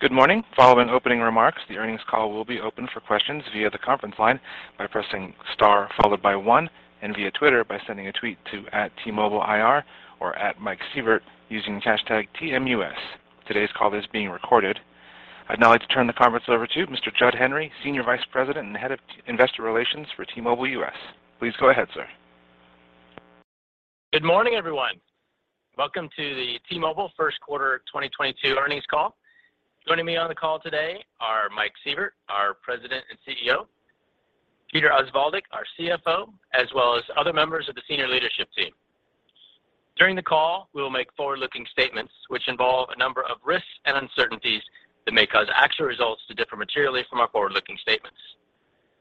Good morning. Following opening remarks, the earnings call will be open for questions via the conference line by pressing star followed by one and via Twitter by sending a tweet to @TMobileIR or @MikeSievert using #TMUS. Today's call is being recorded. I'd now like to turn the conference over to Mr. Jud Henry, Senior Vice President and Head of Investor Relations for T-Mobile U.S. Please go ahead, sir. Good morning, everyone. Welcome to the T-Mobile Q1 2022 earnings call. Joining me on the call today are Mike Sievert, our President and CEO, Peter Osvaldik, our CFO, as well as other members of the Senior Leadership Team. During the call, we will make forward-looking statements which involve a number of risks and uncertainties that may cause actual results to differ materially from our forward-looking statements.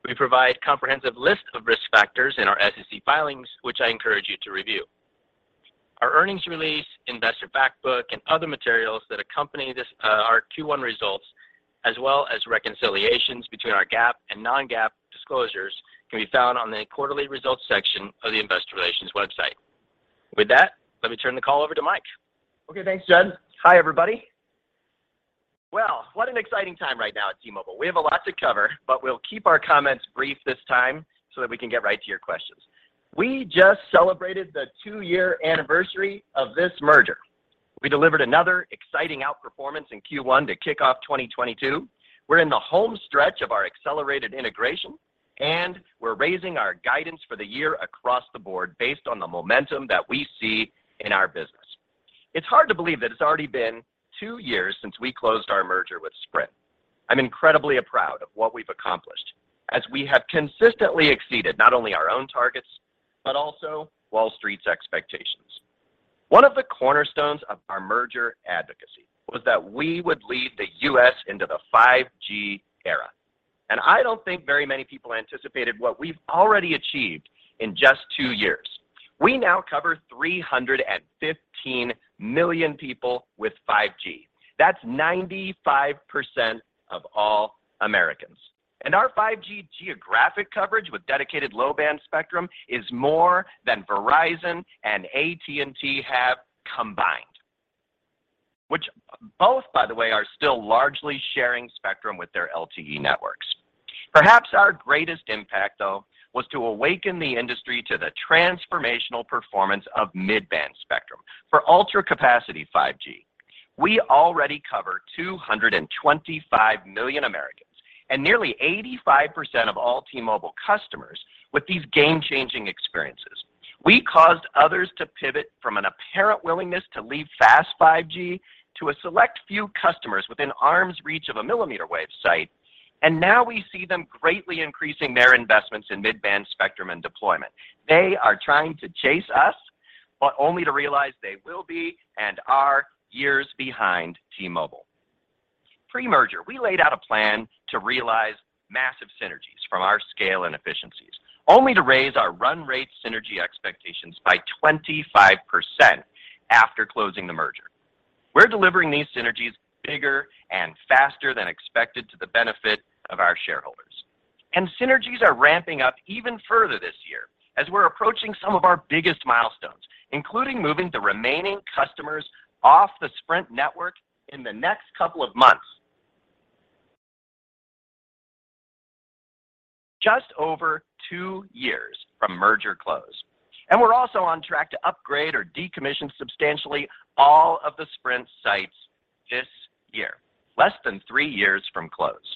We provide comprehensive list of risk factors in our SEC filings, which I encourage you to review. Our earnings release, investor fact book, and other materials that accompany this, our Q1 results, as well as reconciliations between our GAAP and non-GAAP disclosures, can be found on the quarterly results section of the investor relations website. With that, let me turn the call over to Mike. Okay, thanks, Jud. Hi, everybody. Well, what an exciting time right now at T-Mobile. We have a lot to cover, but we'll keep our comments brief this time so that we can get right to your questions. We just celebrated the twi-year anniversary of this merger. We delivered another exciting outperformance in Q1 to kick off 2022. We're in the home stretch of our accelerated integration, and we're raising our guidance for the year across the board based on the momentum that we see in our business. It's hard to believe that it's already been two years since we closed our merger with Sprint. I'm incredibly proud of what we've accomplished as we have consistently exceeded not only our own targets, but also Wall Street's expectations. One of the cornerstones of our merger advocacy was that we would lead the U.S. into the 5G era, and I don't think very many people anticipated what we've already achieved in just two years. We now cover 315 million people with 5G. That's 95% of all Americans. Our 5G geographic coverage with dedicated low-band spectrum is more than Verizon and AT&T have combined, which both, by the way, are still largely sharing spectrum with their LTE networks. Perhaps our greatest impact, though, was to awaken the industry to the transformational performance of mid-band spectrum. For Ultra Capacity 5G, we already cover 225 million Americans and nearly 85% of all T-Mobile customers with these game-changing experiences. We caused others to pivot from an apparent willingness to leave fast 5G to a select few customers within arm's reach of a millimeter wave site, and now we see them greatly increasing their investments in mid-band spectrum and deployment. They are trying to chase us, but only to realize they will be and are years behind T-Mobile. Pre-merger, we laid out a plan to realize massive synergies from our scale and efficiencies, only to raise our run rate synergy expectations by 25% after closing the merger. We're delivering these synergies bigger and faster than expected to the benefit of our shareholders. Synergies are ramping up even further this year as we're approaching some of our biggest milestones, including moving the remaining customers off the Sprint network in the next couple of months. Just over two years from merger close. We're also on track to upgrade or decommission substantially all of the Sprint sites this year, less than three years from close.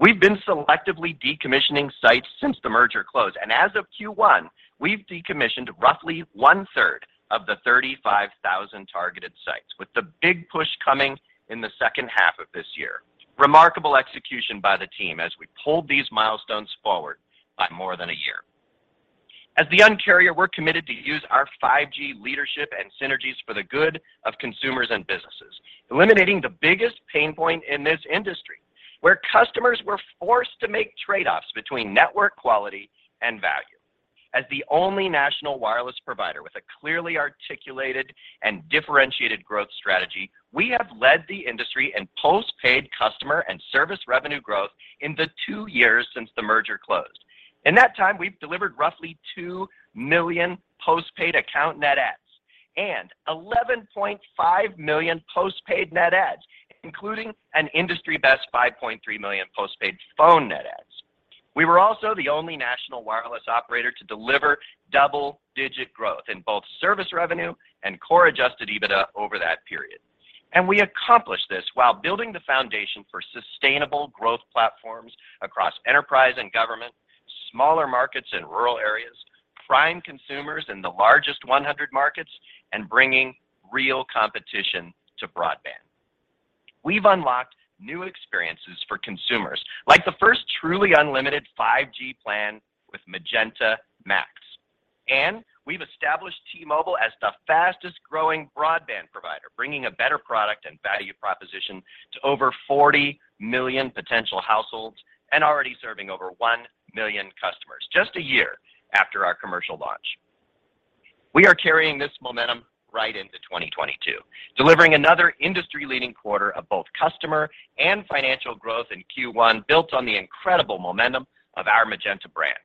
We've been selectively decommissioning sites since the merger close, and as of Q1, we've decommissioned roughly one third of the 35,000 targeted sites, with the big push coming in the second half of this year. Remarkable execution by the team as we pulled these milestones forward by more than a year. As the Un-carrier, we're committed to use our 5G leadership and synergies for the good of consumers and businesses, eliminating the biggest pain point in this industry where customers were forced to make trade-offs between network quality and value. As the only national wireless provider with a clearly articulated and differentiated growth strategy, we have led the industry in postpaid customer and service revenue growth in the two years since the merger closed. In that time, we've delivered roughly 2 million postpaid account net adds and 11.5 million postpaid net adds, including an industry-best 5.3 million postpaid phone net adds. We were also the only national wireless operator to deliver double-digit growth in both service revenue and Core Adjusted EBITDA over that period. We accomplished this while building the foundation for sustainable growth platforms across enterprise and government, smaller markets in rural areas, prime consumers in the largest 100 markets, and bringing real competition to broadband. We've unlocked new experiences for consumers, like the first truly unlimited 5G plan with Magenta MAX. We've established T-Mobile as the fastest growing broadband provider, bringing a better product and value proposition to over 40 million potential households and already serving over 1 million customers just a year after our commercial launch. We are carrying this momentum right into 2022, delivering another industry-leading quarter of both customer and financial growth in Q1 built on the incredible momentum of our Magenta brand.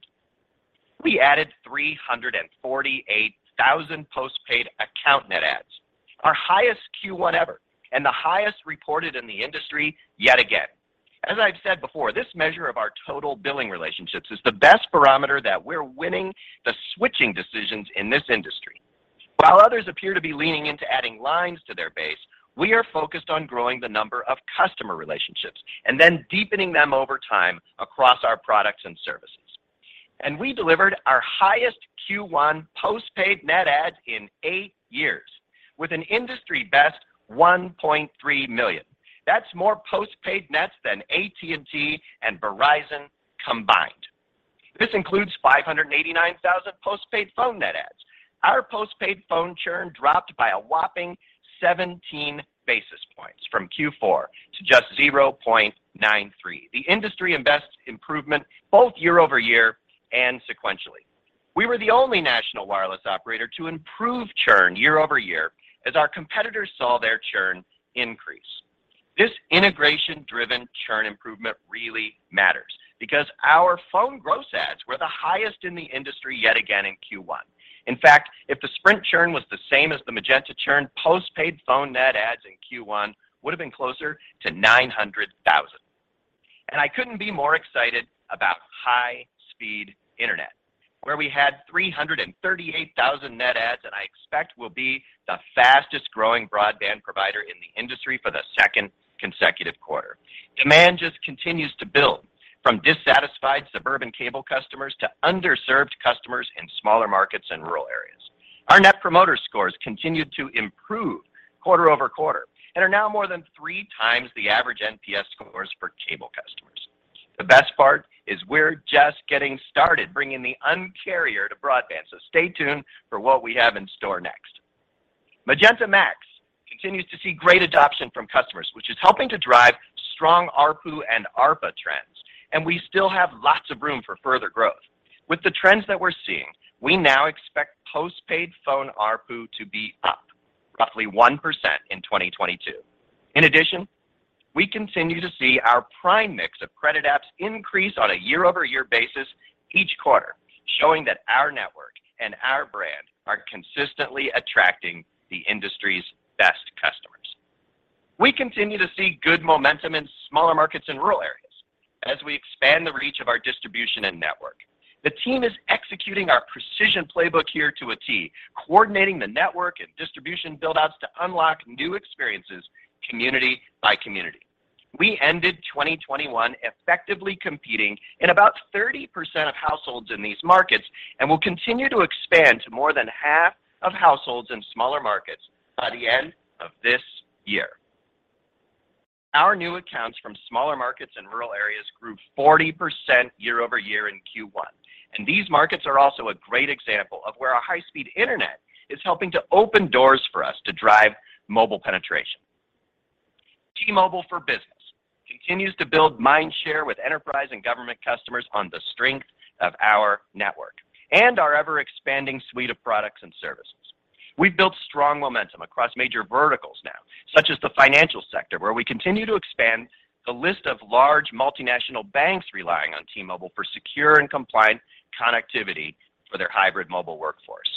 We added 348,000 postpaid account net adds, our highest Q1 ever and the highest reported in the industry yet again. As I've said before, this measure of our total billing relationships is the best barometer that we're winning the switching decisions in this industry. While others appear to be leaning into adding lines to their base, we are focused on growing the number of customer relationships and then deepening them over time across our products and services. We delivered our highest Q1 postpaid net adds in eight years with an industry-best 1.3 million. That's more postpaid nets than AT&T and Verizon combined. This includes 589,000 postpaid phone net adds. Our postpaid phone churn dropped by a whopping 17 basis points from Q4 to just 0.93, the industry-best improvement both year-over-year and sequentially. We were the only national wireless operator to improve churn year-over-year as our competitors saw their churn increase. This integration-driven churn improvement really matters because our phone gross adds were the highest in the industry yet again in Q1. In fact, if the Sprint churn was the same as the Magenta churn, postpaid phone net adds in Q1 would have been closer to 900,000. I couldn't be more excited about high-speed internet, where we had 338,000 net adds, and I expect we'll be the fastest-growing broadband provider in the industry for the second consecutive quarter. Demand just continues to build from dissatisfied suburban cable customers to underserved customers in smaller markets and rural areas. Our Net Promoter Scores continued to improve quarter-over-quarter and are now more than three times the average NPS scores for cable customers. The best part is we're just getting started bringing the Un-carrier to broadband, so stay tuned for what we have in store next. Magenta MAX continues to see great adoption from customers, which is helping to drive strong ARPU and ARPA trends, and we still have lots of room for further growth. With the trends that we're seeing, we now expect postpaid phone ARPU to be up roughly 1% in 2022. In addition, we continue to see our prime mix of credit apps increase on a year-over-year basis each quarter, showing that our network and our brand are consistently attracting the industry's best customers. We continue to see good momentum in smaller markets and rural areas as we expand the reach of our distribution and network. The team is executing our precision playbook here to a T, coordinating the network and distribution build-outs to unlock new experiences community by community. We ended 2021 effectively competing in about 30% of households in these markets and will continue to expand to more than half of households in smaller markets by the end of this year. Our new accounts from smaller markets and rural areas grew 40% year-over-year in Q1. These markets are also a great example of where our high-speed internet is helping to open doors for us to drive mobile penetration. T-Mobile for Business continues to build mind share with enterprise and government customers on the strength of our network and our ever-expanding suite of products and services. We've built strong momentum across major verticals now, such as the financial sector, where we continue to expand the list of large multinational banks relying on T-Mobile for secure and compliant connectivity for their hybrid mobile workforce.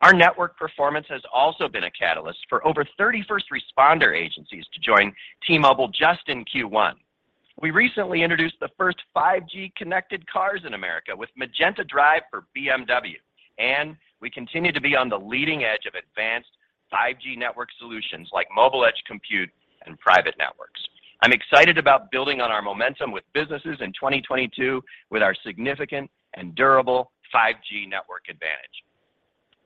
Our network performance has also been a catalyst for over 30 first responder agencies to join T-Mobile just in Q1. We recently introduced the first 5G-connected cars in America with Magenta Drive for BMW, and we continue to be on the leading edge of advanced 5G network solutions like mobile edge computing and private networks. I'm excited about building on our momentum with businesses in 2022 with our significant and durable 5G network advantage.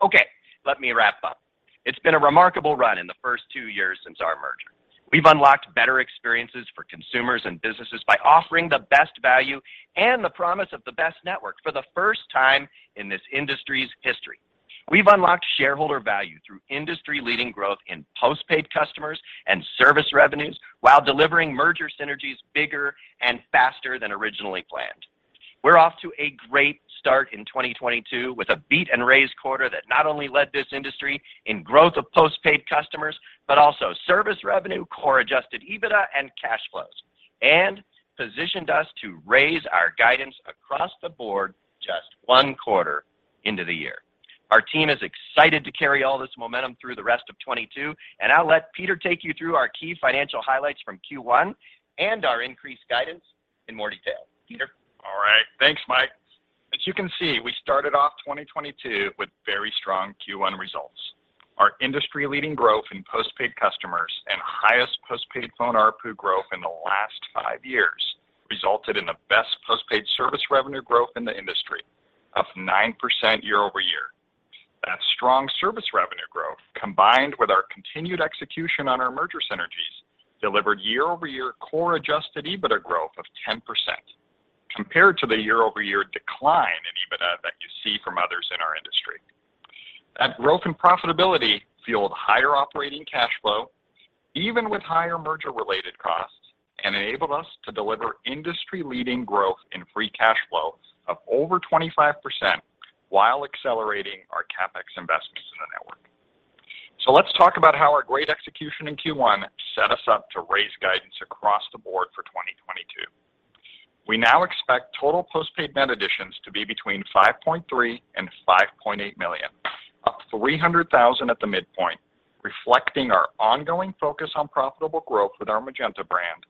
Okay, let me wrap up. It's been a remarkable run in the first two years since our merger. We've unlocked better experiences for consumers and businesses by offering the best value and the promise of the best network for the first time in this industry's history. We've unlocked shareholder value through industry-leading growth in postpaid customers and service revenues while delivering merger synergies bigger and faster than originally planned. We're off to a great start in 2022 with a beat and raise quarter that not only led this industry in growth of postpaid customers, but also service revenue, Core Adjusted EBITDA and cash flows, and positioned us to raise our guidance across the board just one quarter into the year. Our team is excited to carry all this momentum through the rest of 2022, and I'll let Peter take you through our key financial highlights from Q1 and our increased guidance in more detail. Peter? All right. Thanks, Mike. As you can see, we started off 2022 with very strong Q1 results. Our industry-leading growth in postpaid customers and highest postpaid phone ARPU growth in the last five years resulted in the best postpaid service revenue growth in the industry of 9% year-over-year. That strong service revenue growth, combined with our continued execution on our merger synergies, delivered year-over-year Core Adjusted EBITDA growth of 10% compared to the year-over-year decline in EBITDA that you see from others in our industry. That growth and profitability fueled higher operating cash flow, even with higher merger-related costs, and enabled us to deliver industry-leading growth in free cash flow of over 25% while accelerating our CapEx investments. Let's talk about how our great execution in Q1 set us up to raise guidance across the board for 2022. We now expect total postpaid net additions to be between 5.3 million and 5.8 million, up 300,000 at the midpoint, reflecting our ongoing focus on profitable growth with our Magenta brand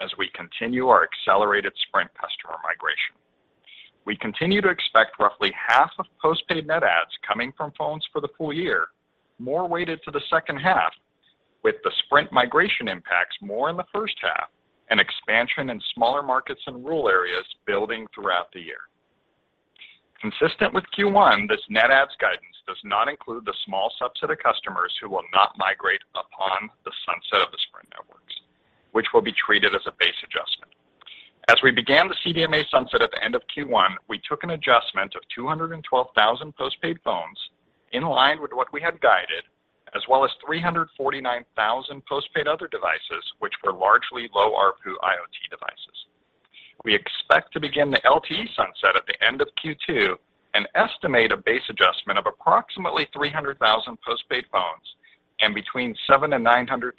as we continue our accelerated Sprint customer migration. We continue to expect roughly half of postpaid net adds coming from phones for the full year, more weighted to the second half, with the Sprint migration impacts more in the first half and expansion in smaller markets and rural areas building throughout the year. Consistent with Q1, this net adds guidance does not include the small subset of customers who will not migrate upon the sunset of the Sprint networks, which will be treated as a base adjustment. As we began the CDMA sunset at the end of Q1, we took an adjustment of 212,000 postpaid phones in line with what we had guided, as well as 349,000 postpaid other devices which were largely low ARPU IoT devices. We expect to begin the LTE sunset at the end of Q2 and estimate a base adjustment of approximately 300,000 postpaid phones and between 700,000-900,000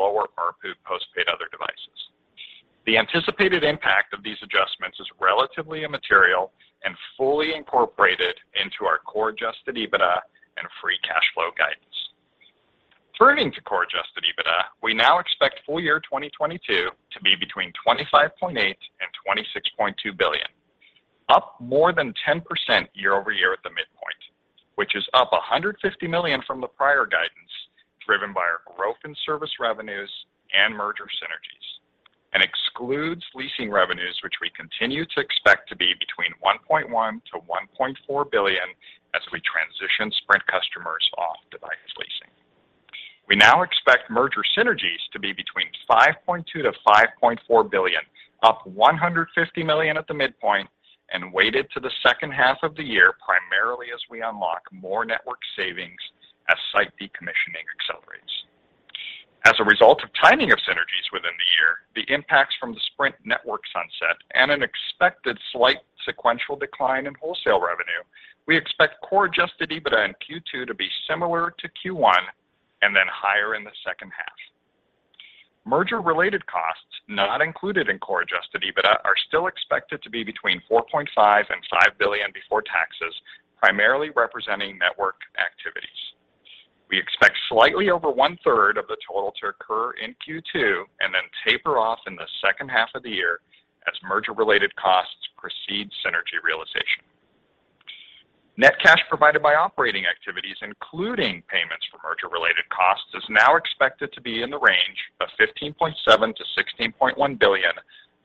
lower ARPU postpaid other devices. The anticipated impact of these adjustments is relatively immaterial and fully incorporated into our core adjusted EBITDA and free cash flow guidance. Turning to Core Adjusted EBITDA, we now expect full year 2022 to be between $25.8 billion-$26.2 billion, up more than 10% year-over-year at the midpoint, which is up $150 million from the prior guidance, driven by our growth in service revenues and merger synergies, and excludes leasing revenues, which we continue to expect to be between $1.1 billion-$1.4 billion as we transition Sprint customers off device leasing. We now expect merger synergies to be between $5.2 billion-$5.4 billion, up $150 million at the midpoint, and weighted to the second half of the year, primarily as we unlock more network savings as site decommissioning accelerates. As a result of timing of synergies within the year, the impacts from the Sprint network sunset and an expected slight sequential decline in wholesale revenue, we expect core adjusted EBITDA in Q2 to be similar to Q1 and then higher in the second half. Merger-related costs not included in core adjusted EBITDA are still expected to be between $4.5 billion-$5 billion before taxes, primarily representing network activities. We expect slightly over one-third of the total to occur in Q2 and then taper off in the second half of the year as merger-related costs precede synergy realization. Net cash provided by operating activities, including payments for merger-related costs, is now expected to be in the range of $15.7 billion-$16.1 billion,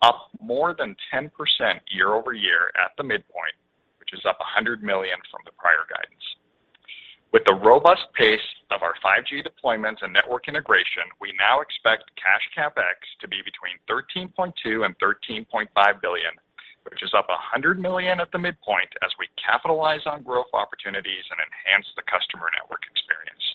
up more than 10% year-over-year at the midpoint, which is up $100 million from the prior guidance. With the robust pace of our 5G deployments and network integration, we now expect cash CapEx to be between $13.2 billion and $13.5 billion, which is up $100 million at the midpoint as we capitalize on growth opportunities and enhance the customer network experience.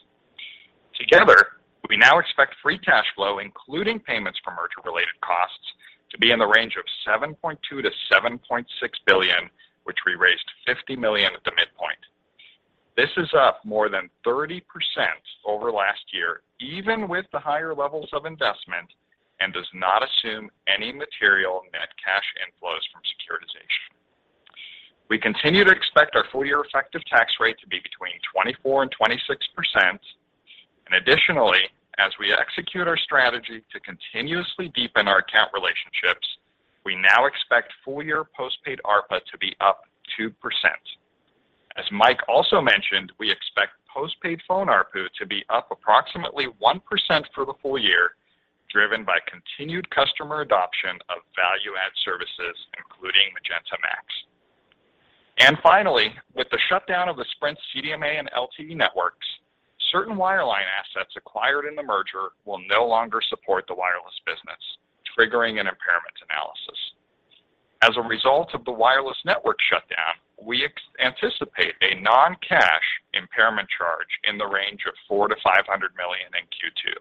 Together, we now expect free cash flow, including payments for merger-related costs, to be in the range of $7.2 billion-$7.6 billion, which we raised $50 million at the midpoint. This is up more than 30% over last year, even with the higher levels of investment and does not assume any material net cash inflows from securitization. We continue to expect our full year effective tax rate to be between 24% and 26%. Additionally, as we execute our strategy to continuously deepen our account relationships, we now expect full-year postpaid ARPA to be up 2%. As Mike also mentioned, we expect postpaid phone ARPU to be up approximately 1% for the full year, driven by continued customer adoption of value-add services, including Magenta MAX. Finally, with the shutdown of the Sprint CDMA and LTE networks, certain wireline assets acquired in the merger will no longer support the wireless business, triggering an impairment analysis. As a result of the wireless network shutdown, we anticipate a non-cash impairment charge in the range of $400 million-$500 million in Q2.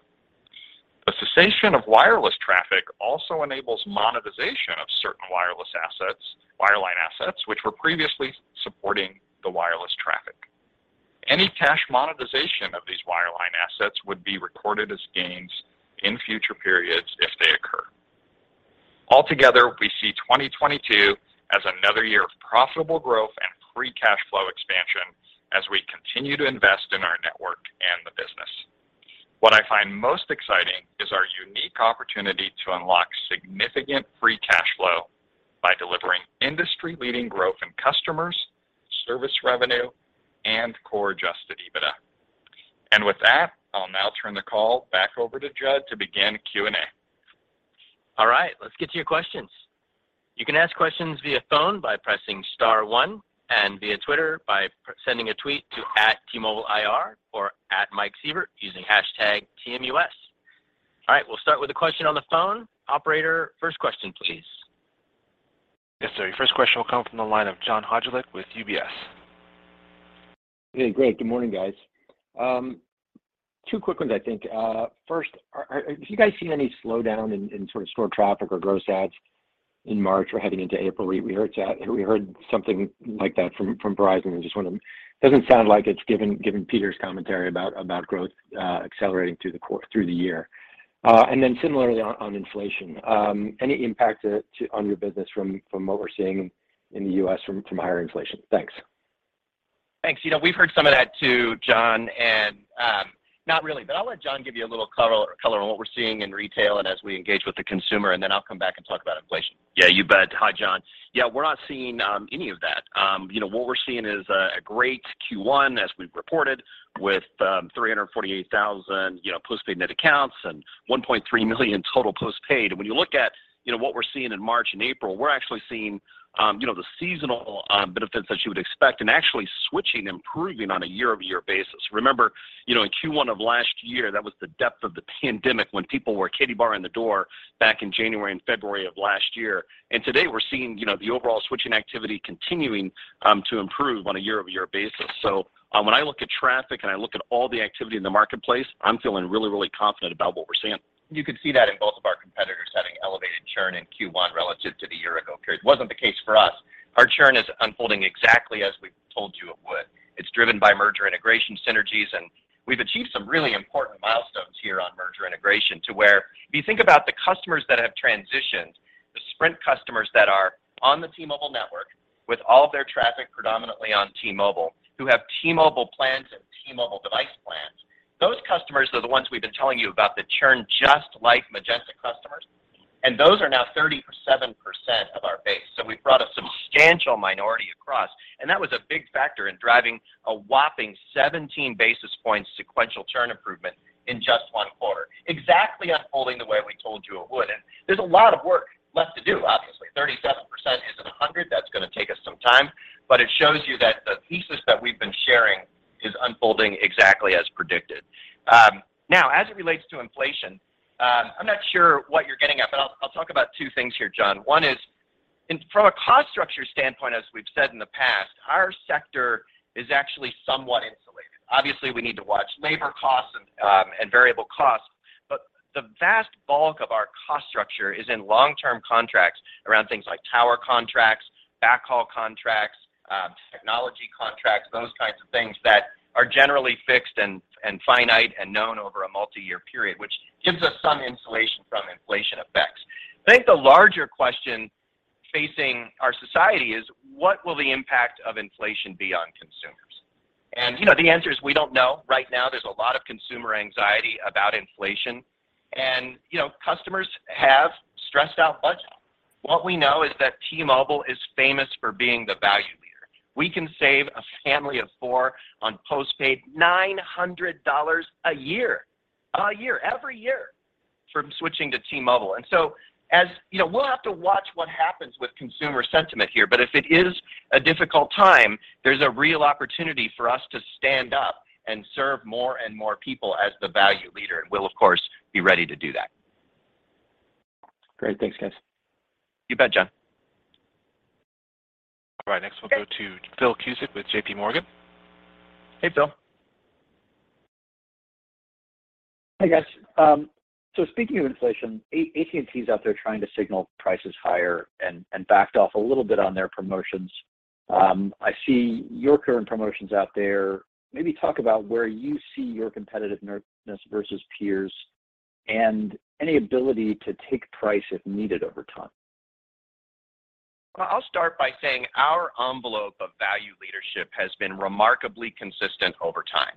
The cessation of wireless traffic also enables monetization of certain wireline assets, which were previously supporting the wireless traffic. Any cash monetization of these wireline assets would be recorded as gains in future periods if they occur. Altogether, we see 2022 as another year of profitable growth and free cash flow expansion as we continue to invest in our network and the business. What I find most exciting is our unique opportunity to unlock significant free cash flow by delivering industry-leading growth in customers, service revenue, and Core Adjusted EBITDA. With that, I'll now turn the call back over to Jud to begin Q&A. All right, let's get to your questions. You can ask questions via phone by pressing star one and via Twitter by sending a tweet to @TMobileIR or @MikeSievert using #TMUS. All right, we'll start with a question on the phone. Operator, first question, please. Yes, sir. Your first question will come from the line of John Hodulik with UBS. Hey, great. Good morning, guys. Two quick ones, I think. First, do you guys see any slowdown in sort of store traffic or gross adds? In March or heading into April, we heard something like that from Verizon and just wonder, doesn't sound like it's given Peter's commentary about growth accelerating through the year. And then similarly on inflation, any impact on your business from what we're seeing in the U.S. from higher inflation? Thanks. Thanks. You know, we've heard some of that too, John, and, not really. I'll let Jon give you a little color on what we're seeing in retail and as we engage with the consumer, and then I'll come back and talk about inflation. Yeah, you bet. Hi, John. Yeah, we're not seeing any of that. You know, what we're seeing is a great Q1, as we've reported, with 348,000 postpaid net accounts and 1.3 million total postpaid. When you look at what we're seeing in March and April, we're actually seeing the seasonal benefits that you would expect and actually switching improving on a year-over-year basis. Remember, in Q1 of last year, that was the depth of the pandemic when people were barricading the door back in January and February of last year. Today, we're seeing the overall switching activity continuing to improve on a year-over-year basis. When I look at traffic and I look at all the activity in the marketplace, I'm feeling really, really confident about what we're seeing. You could see that in both of our competitors having elevated churn in Q1 relative to the year-ago period. It wasn't the case for us. Our churn is unfolding exactly as we told you it would. It's driven by merger integration synergies, and we've achieved some really important milestones here on merger integration to where if you think about the customers that have transitioned, the Sprint customers that are on the T-Mobile network with all of their traffic predominantly on T-Mobile, who have T-Mobile plans and T-Mobile device plans, those customers are the ones we've been telling you about the churn just like Magenta customers. Those are now 37% of our base. We've brought a substantial minority across, and that was a big factor in driving a whopping 17 basis points sequential churn improvement in just one quarter. Exactly unfolding the way we told you it would. There's a lot of work left to do, obviously. 37% isn't 100. That's gonna take us some time, but it shows you that the thesis that we've been sharing is unfolding exactly as predicted. Now, as it relates to inflation, I'm not sure what you're getting at, but I'll talk about two things here, John. One is from a cost structure standpoint, as we've said in the past, our sector is actually somewhat insulated. Obviously, we need to watch labor costs and variable costs, but the vast bulk of our cost structure is in long-term contracts around things like tower contracts, backhaul contracts, technology contracts, those kinds of things that are generally fixed and finite and known over a multi-year period, which gives us some insulation from inflation effects. I think the larger question facing our society is what will the impact of inflation be on consumers? You know, the answer is we don't know. Right now, there's a lot of consumer anxiety about inflation and, you know, customers have stressed out budgets. What we know is that T-Mobile is famous for being the value leader. We can save a family of four on postpaid $900 a year every year from switching to T-Mobile. You know, we'll have to watch what happens with consumer sentiment here, but if it is a difficult time, there's a real opportunity for us to stand up and serve more and more people as the value leader, and we'll of course be ready to do that. Great. Thanks, guys. You bet, John. All right. Next, we'll go to Phil Cusick with JPMorgan. Hey, Phil. Hey, guys. Speaking of inflation, AT&T is out there trying to signal prices higher and backed off a little bit on their promotions. I see your current promotions out there. Maybe talk about where you see your competitiveness versus peers and any ability to take price if needed over time. Well, I'll start by saying our envelope of value leadership has been remarkably consistent over time.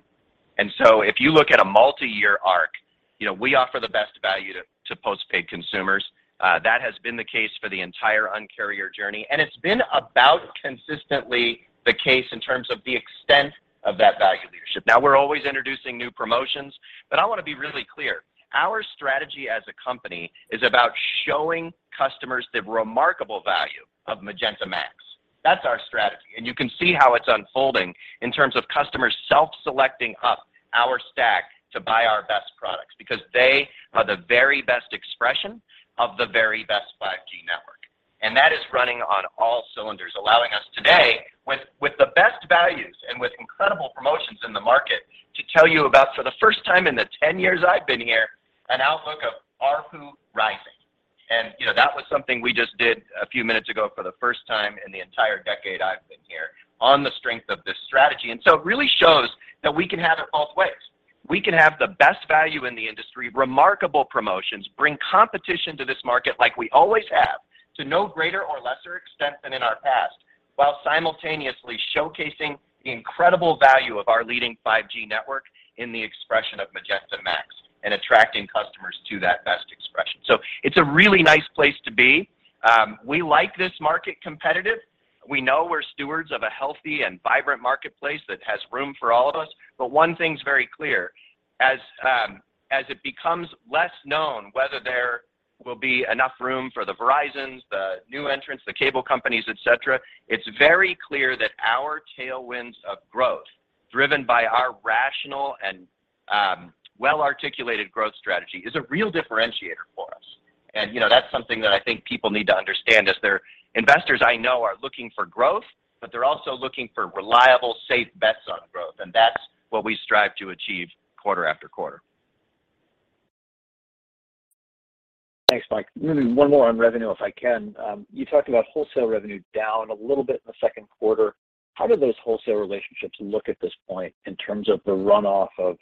If you look at a multi-year arc, you know, we offer the best value to postpaid consumers. That has been the case for the entire Un-carrier journey, and it's been about consistently the case in terms of the extent of that value leadership. Now, we're always introducing new promotions, but I wanna be really clear. Our strategy as a company is about showing customers the remarkable value of Magenta Max. That's our strategy, and you can see how it's unfolding in terms of customers self-selecting up our stack to buy our best products because they are the very best expression of the very best 5G network. That is running on all cylinders, allowing us today with the best values and with incredible promotions in the market to tell you about, for the first time in the 10 years I've been here, an outlook of ARPU rising. You know, that was something we just did a few minutes ago for the first time in the entire decade I've been here on the strength of this strategy. It really shows that we can have it both ways. We can have the best value in the industry, remarkable promotions, bring competition to this market like we always have, to no greater or lesser extent than in our past, while simultaneously showcasing the incredible value of our leading 5G network in the expression of Magenta MAX and attracting customers to that best expression. It's a really nice place to be. We like this market competitive. We know we're stewards of a healthy and vibrant marketplace that has room for all of us, but one thing's very clear. As it becomes less known whether there will be enough room for the Verizons, the new entrants, the cable companies, et cetera, it's very clear that our tailwinds of growth, driven by our rational and well-articulated growth strategy, is a real differentiator for us. You know, that's something that I think people need to understand as their investors I know are looking for growth, but they're also looking for reliable, safe bets on growth, and that's what we strive to achieve quarter after quarter. Thanks, Mike. Maybe one more on revenue if I can. You talked about wholesale revenue down a little bit in the second quarter. How do those wholesale relationships look at this point in terms of the runoff of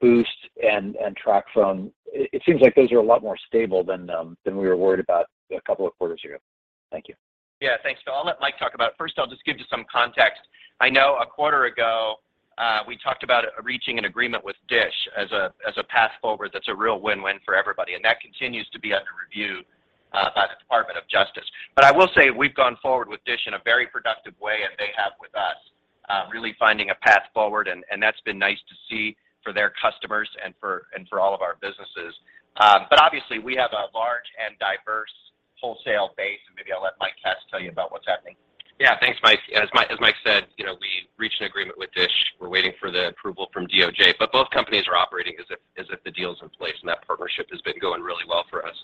Boost and TracFone? It seems like those are a lot more stable than we were worried about a couple of quarters ago. Thank you. Yeah. Thanks. I'll let Mike talk about it. First, I'll just give you some context. I know a quarter ago, we talked about reaching an agreement with DISH as a path forward that's a real win-win for everybody, and that continues to be under review by the Department of Justice. I will say we've gone forward with DISH in a very productive way, and they have with us, really finding a path forward, and that's been nice to see for their customers and for all of our businesses. Obviously we have a large and diverse wholesale base, and maybe I'll let Mike Katz tell you about what's happening. Yeah. Thanks, Mike. As Mike said, you know, we reached an agreement with DISH. We're waiting for the approval from DOJ, but both companies are operating as if the deal's in place, and that partnership has been going really well for us.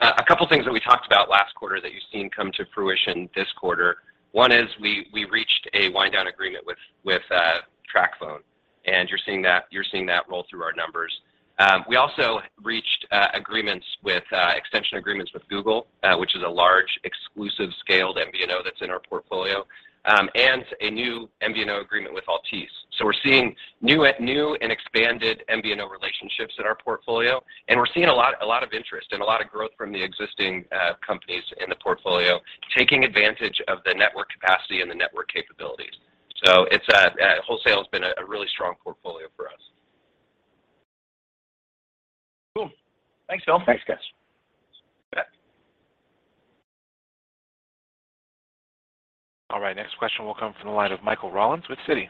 A couple of things that we talked about last quarter that you've seen come to fruition this quarter. One is we reached a wind down agreement with TracFone, and you're seeing that roll through our numbers. We also reached extension agreements with Google, which is a large exclusive scaled MVNO that's in our portfolio, and a new MVNO agreement with Altice. We're seeing new at... New and expanded MVNO relationships in our portfolio, and we're seeing a lot of interest and a lot of growth from the existing companies in the portfolio taking advantage of the network capacity and the network capabilities. It's wholesale has been a really strong portfolio for us. Cool. Thanks, Phil. Thanks, guys. Yeah. All right, next question will come from the line of Michael Rollins with Citi.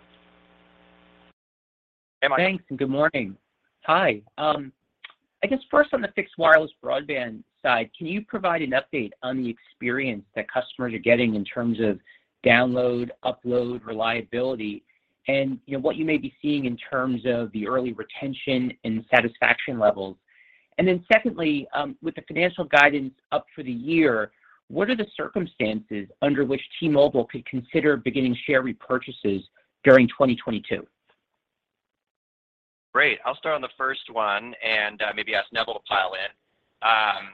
Thanks, good morning. Hi. I guess first on the fixed wireless broadband side, can you provide an update on the experience that customers are getting in terms of download, upload, reliability, and, you know, what you may be seeing in terms of the early retention and satisfaction levels? Then secondly, with the financial guidance up for the year, what are the circumstances under which T-Mobile could consider beginning share repurchases during 2022? Great. I'll start on the first one and maybe ask Neville to pile in.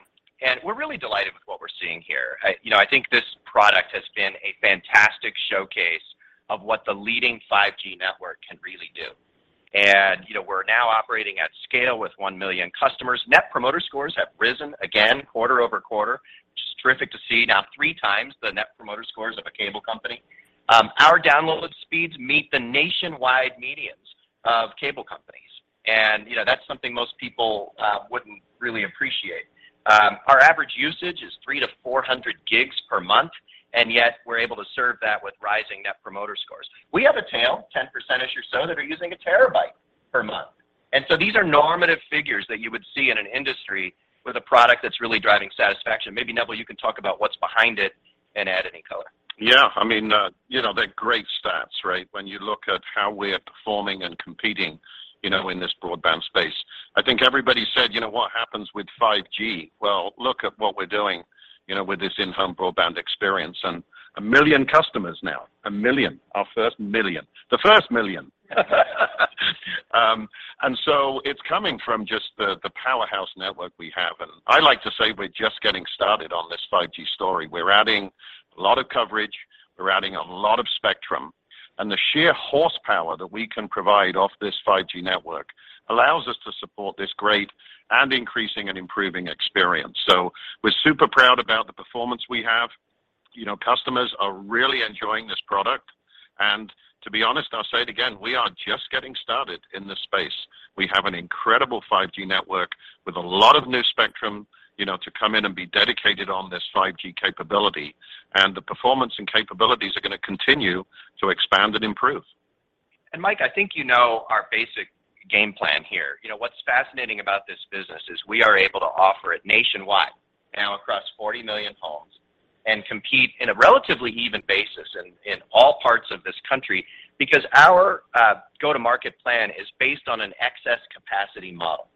We're really delighted with what we're seeing here. You know, I think this product has been a fantastic showcase of what the leading 5G network can really do. You know, we're now operating at scale with 1 million customers. Net Promoter Scores have risen again quarter-over-quarter, which is terrific to see. Now three times the Net Promoter Scores of a cable company. Our download speeds meet the nationwide medians of cable companies. You know, that's something most people wouldn't really appreciate. Our average usage is 300 GB-400 GB per month, and yet we're able to serve that with rising Net Promoter Scores. We have a tail, 10%-ish or so that are using a Terabyte per month. These are normative figures that you would see in an industry with a product that's really driving satisfaction. Maybe, Neville, you can talk about what's behind it and add any color. Yeah. I mean, you know, they're great stats, right? When you look at how we're performing and competing, you know, in this broadband space. I think everybody said, you know, what happens with 5G? Well, look at what we're doing, you know, with this in-home broadband experience. 1 million customers now, our first million. It's coming from just the powerhouse network we have. I like to say we're just getting started on this 5G story. We're adding a lot of coverage. We're adding a lot of spectrum. The sheer horsepower that we can provide off this 5G network allows us to support this great and increasing and improving experience. We're super proud about the performance we have. You know, customers are really enjoying this product. To be honest, I'll say it again, we are just getting started in this space. We have an incredible 5G network with a lot of new spectrum, you know, to come in and be dedicated on this 5G capability, and the performance and capabilities are gonna continue to expand and improve. Mike, I think you know our basic game plan here. You know, what's fascinating about this business is we are able to offer it nationwide, now across 40 million homes, and compete in a relatively even basis in all parts of this country because our go-to-market plan is based on an excess capacity model.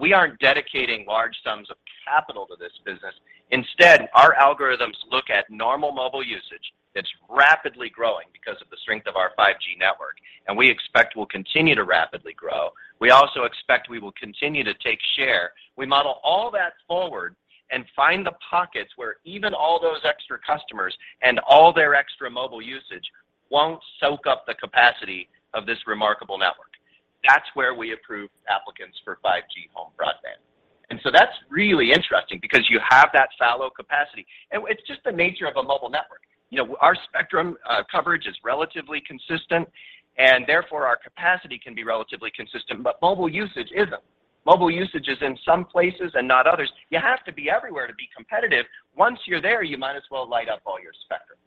We aren't dedicating large sums of capital to this business. Instead, our algorithms look at normal mobile usage that's rapidly growing because of the strength of our 5G network, and we expect will continue to rapidly grow. We also expect we will continue to take share. We model all that forward and find the pockets where even all those extra customers and all their extra mobile usage won't soak up the capacity of this remarkable network. That's where we approve applicants for 5G Home Internet. That's really interesting because you have that full capacity. It's just the nature of a mobile network. You know, our spectrum, coverage is relatively consistent, and therefore our capacity can be relatively consistent, but mobile usage isn't. Mobile usage is in some places and not others. You have to be everywhere to be competitive. Once you're there, you might as well light up all your spectrum.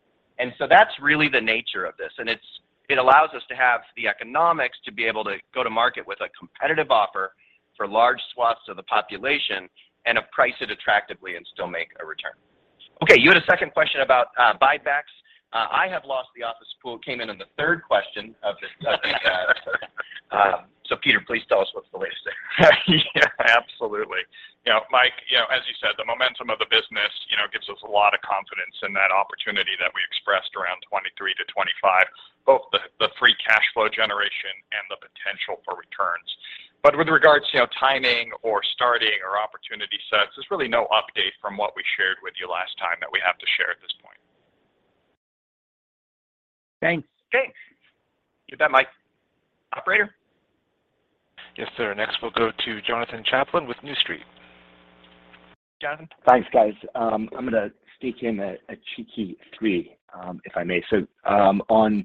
That's really the nature of this, and it allows us to have the economics to be able to go to market with a competitive offer for large swaths of the population and price it attractively and still make a return. Okay, you had a second question about, buybacks. I have lost the office pool. Came in the third question of this, I think. Peter, please tell us what's the latest there. Yeah. Absolutely. You know, Mike, you know, as you said, the momentum of the business, you know, gives us a lot of confidence in that opportunity. To 2025, both the free cash flow generation and the potential for returns. With regards to, you know, timing or starting or opportunity sets, there's really no update from what we shared with you last time that we have to share at this point. Thanks. Thanks. You bet, Mike. Operator? Yes, sir. Next, we'll go to Jonathan Chaplin with New Street. John? Thanks, guys. I'm gonna sneak in a cheeky three, if I may. On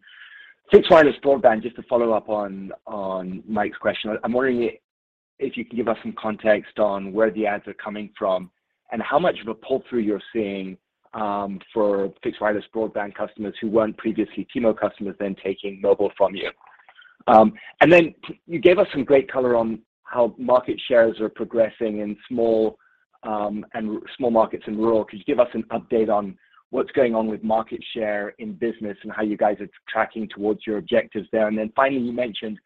fixed wireless broadband, just to follow up on Mike's question, I'm wondering if you can give us some context on where the adds are coming from and how much of a pull-through you're seeing for fixed wireless broadband customers who weren't previously T-Mobile customers then taking mobile from you. You gave us some great color on how market shares are progressing in smaller markets and rural. Could you give us an update on what's going on with market share in business and how you guys are tracking towards your objectives there? Finally, you mentioned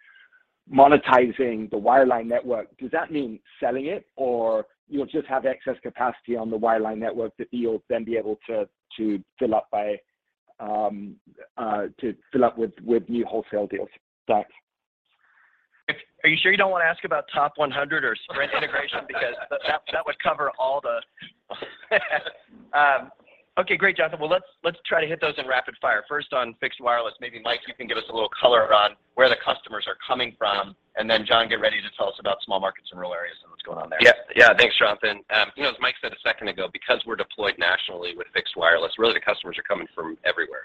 monetizing the wireline network. Does that mean selling it, or you'll just have excess capacity on the wireline network that you'll then be able to fill up with new wholesale deals? Thanks. Are you sure you don't wanna ask about top 100 or Sprint integration? Because that would cover all the. Okay, great, Jonathan. Well, let's try to hit those in rapid fire. First on fixed wireless, maybe Mike, you can give us a little color around where the customers are coming from, and then Jon, get ready to tell us about small markets and rural areas and what's going on there. Yes. Yeah. Thanks, Jonathan. You know, as Mike said a second ago, because we're deployed nationally with fixed wireless, really the customers are coming from everywhere.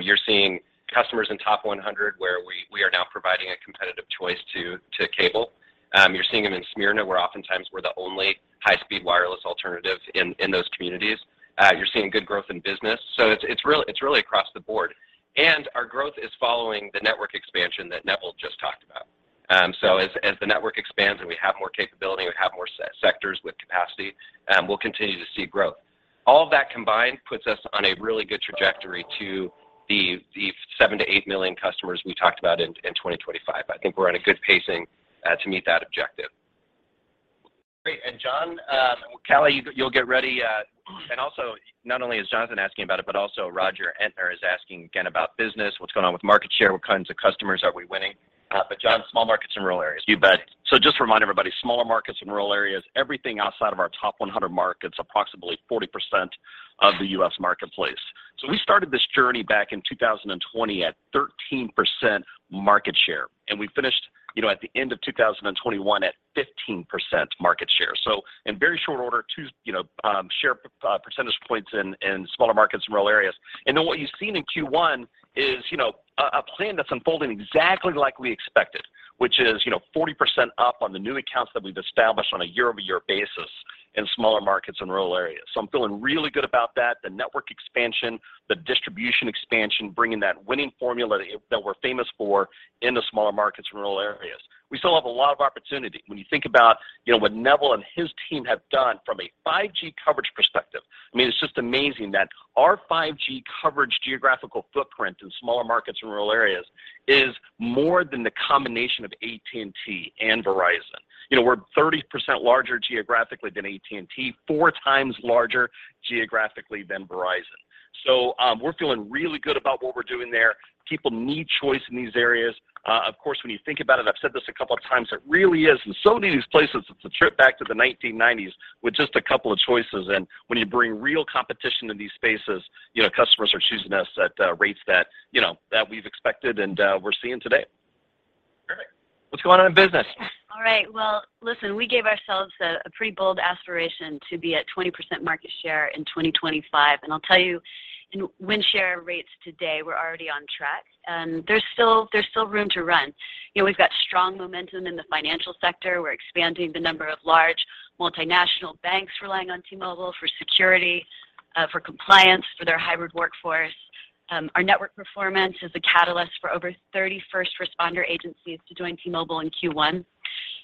You're seeing customers in top 100 where we are now providing a competitive choice to cable. You're seeing them in smaller markets, where oftentimes we're the only high-speed wireless alternative in those communities. You're seeing good growth in business. So it's really across the board. Our growth is following the network expansion that Neville just talked about. So as the network expands and we have more capability, we have more sectors with capacity, we'll continue to see growth. All of that combined puts us on a really good trajectory to the 7 million-8 million customers we talked about in 2025. I think we're on a good pacing to meet that objective. Great. Jon, Callie, you'll get ready. Also, not only is Jonathan asking about it, but also Roger Entner is asking again about business, what's going on with market share, what kinds of customers are we winning. John, smaller markets and rural areas. You bet. Just to remind everybody, smaller markets and rural areas, everything outside of our top 100 markets, approximately 40% of the U.S. marketplace. We started this journey back in 2020 at 13% market share, and we finished, you know, at the end of 2021 at 15% market share. In very short order, 2 share percentage points in smaller markets and rural areas. What you've seen in Q1 is, you know, a plan that's unfolding exactly like we expected, which is, you know, 40% up on the new accounts that we've established on a year-over-year basis in smaller markets and rural areas. I'm feeling really good about that, the network expansion, the distribution expansion, bringing that winning formula that we're famous for in the smaller markets and rural areas. We still have a lot of opportunity. When you think about, you know, what Neville and his team have done from a 5G coverage perspective, I mean, it's just amazing that our 5G coverage geographical footprint in smaller markets and rural areas is more than the combination of AT&T and Verizon. You know, we're 30% larger geographically than AT&T, four times larger geographically than Verizon. We're feeling really good about what we're doing there. People need choice in these areas. Of course, when you think about it, I've said this a couple of times, it really is, in so many of these places, it's a trip back to the 1990s with just a couple of choices. When you bring real competition in these spaces, you know, customers are choosing us at rates that, you know, that we've expected and we're seeing today. Perfect. What's going on in business? All right. Well, listen, we gave ourselves a pretty bold aspiration to be at 20% market share in 2025. I'll tell you in win share rates today, we're already on track. There's still room to run. You know, we've got strong momentum in the financial sector. We're expanding the number of large multinational banks relying on T-Mobile for security, for compliance for their hybrid workforce. Our network performance is a catalyst for over 30 first responder agencies to join T-Mobile in Q1.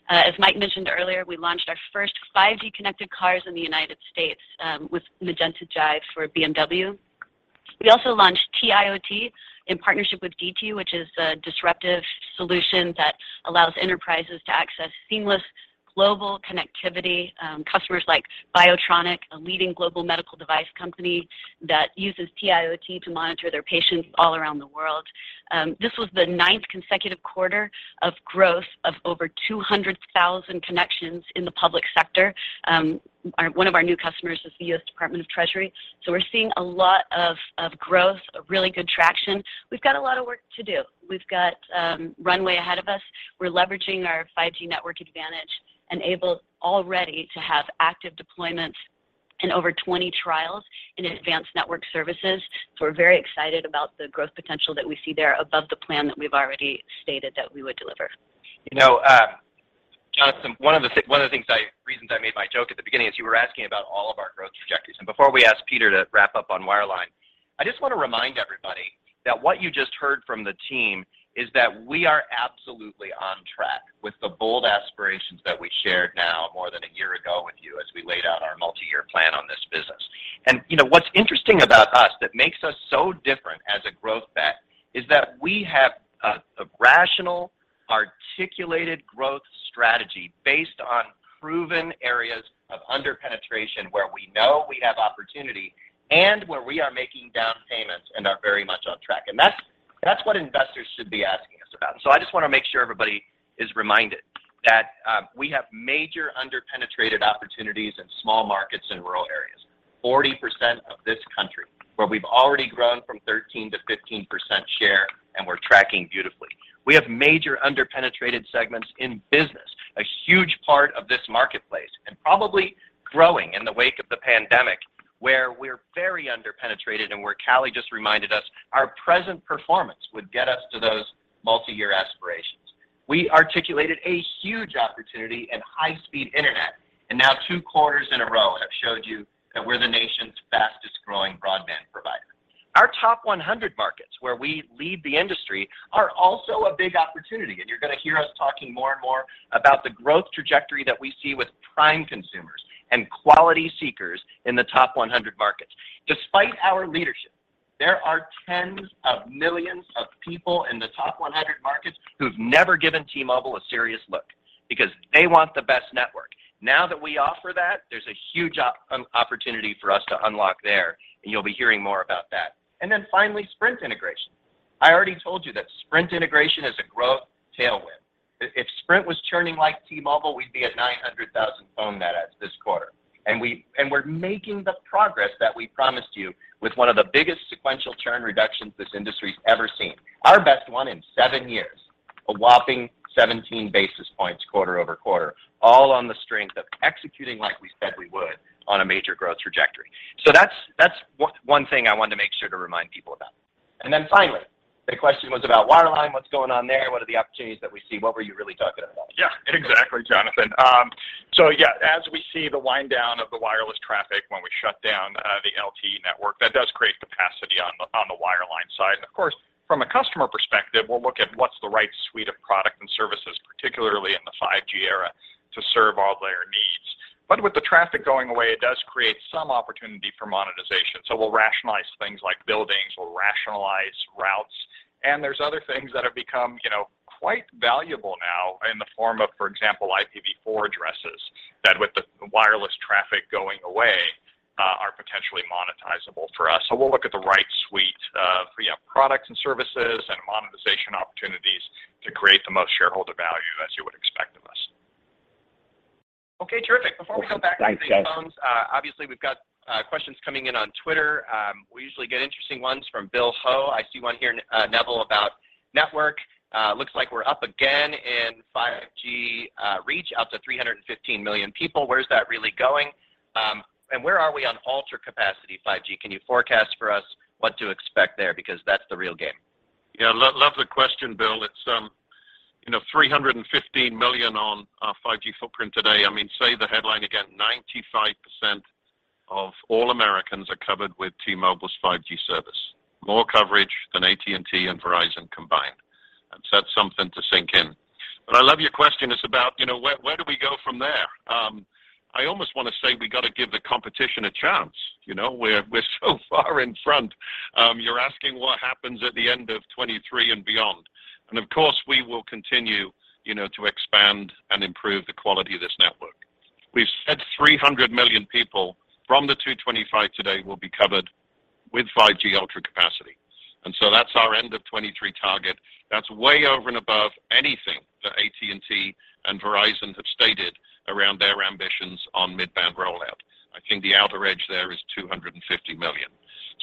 As Mike mentioned earlier, we launched our first 5G connected cars in the United States, with Magenta Drive for BMW. We also launched T-IoT in partnership with DT, which is a disruptive solution that allows enterprises to access seamless global connectivity. Customers like BIOTRONIK, a leading global medical device company that uses T-IoT to monitor their patients all around the world. This was the ninth consecutive quarter of growth of over 200,000 connections in the public sector. One of our new customers is the U.S. Department of Treasury. We're seeing a lot of growth, a really good traction. We've got a lot of work to do. We've got runway ahead of us. We're leveraging our 5G network advantage, enabled already to have active deployments in over 20 trials in advanced network services. We're very excited about the growth potential that we see there above the plan that we've already stated that we would deliver. You know, Jonathan, one of the things, reasons I made my joke at the beginning is you were asking about all of our growth trajectories. Before we ask Peter to wrap up on wireline, I just wanna remind everybody that what you just heard from the team is that we are absolutely on track with the bold aspirations that we shared now more than a year ago with you as we laid out our multi-year plan on this business. You know, what's interesting about us that makes us so different as a growth bet is that we have a rationally articulated growth strategy based on proven areas of under-penetration where we know we have opportunity and where we are making down payments and are very much on track. That's what investors should be asking us about. I just wanna make sure everybody is reminded that we have major under-penetrated opportunities in smaller markets and rural areas. 40% of this country where we've already grown from 13%-15% share, and we're tracking beautifully. We have major under-penetrated segments in business, a huge part of this marketplace, and probably growing in the wake of the pandemic, where we're very under-penetrated and where Callie just reminded us our present performance would get us to those multi-year aspirations. We articulated a huge opportunity in high-speed internet, and now two quarters in a row have showed you that we're the nation's fastest-growing broadband provider. Our top 100 markets where we lead the industry are also a big opportunity, and you're gonna hear us talking more and more about the growth trajectory that we see with prime consumers and quality seekers in the top 100 markets. Despite our leadership, there are tens of millions of people in the top 100 markets who've never given T-Mobile a serious look because they want the best network. Now that we offer that, there's a huge opportunity for us to unlock there, and you'll be hearing more about that. Then finally, Sprint integration. I already told you that Sprint integration is a growth tailwind. If Sprint was churning like T-Mobile, we'd be at 900,000 phone net adds this quarter. We're making the progress that we promised you with one of the biggest sequential churn reductions this industry's ever seen. Our best one in seven years, a whopping 17 basis points quarter-over-quarter, all on the strength of executing like we said we would on a major growth trajectory. That's one thing I wanted to make sure to remind people about. Finally, the question was about wireline. What's going on there? What are the opportunities that we see? What were you really talking about? Yeah. Exactly, Jonathan. Yeah, as we see the wind down of the wireless traffic when we shut down the LTE network, that does create capacity on the wireline side. Of course, from a customer perspective, we'll look at what's the right suite of product and services, particularly in the 5G era, to serve all their needs. With the traffic going away, it does create some opportunity for monetization. We'll rationalize things like buildings, we'll rationalize routes. There's other things that have become, you know, quite valuable now in the form of, for example, IPv4 addresses that with the wireless traffic going away are potentially monetizable for us. We'll look at the right suite of, you know, products and services and monetization opportunities to create the most shareholder value as you would expect of us. Okay, terrific. Before we go back. Thanks, guys. ...to the phones, obviously we've got questions coming in on Twitter. We usually get interesting ones from Bill Ho. I see one here, Neville, about network. Looks like we're up again in 5G reach up to 315 million people. Where is that really going? Where are we on Ultra Capacity 5G? Can you forecast for us what to expect there? Because that's the real game. Yeah. Love the question, Bill. It's, you know, 315 million on our 5G footprint today. I mean, say the headline again, 95% of all Americans are covered with T-Mobile's 5G service, more coverage than AT&T and Verizon combined. That's something to sink in. I love your question. It's about, you know, where do we go from there? I almost wanna say we gotta give the competition a chance, you know? We're so far in front, you're asking what happens at the end of 2023 and beyond. We will continue, you know, to expand and improve the quality of this network. We've said 300 million people from the 225 today will be covered with Ultra Capacity 5G. That's our end of 2023 target. That's way over and above anything that AT&T and Verizon have stated around their ambitions on mid-band rollout. I think the outer edge there is 250 million.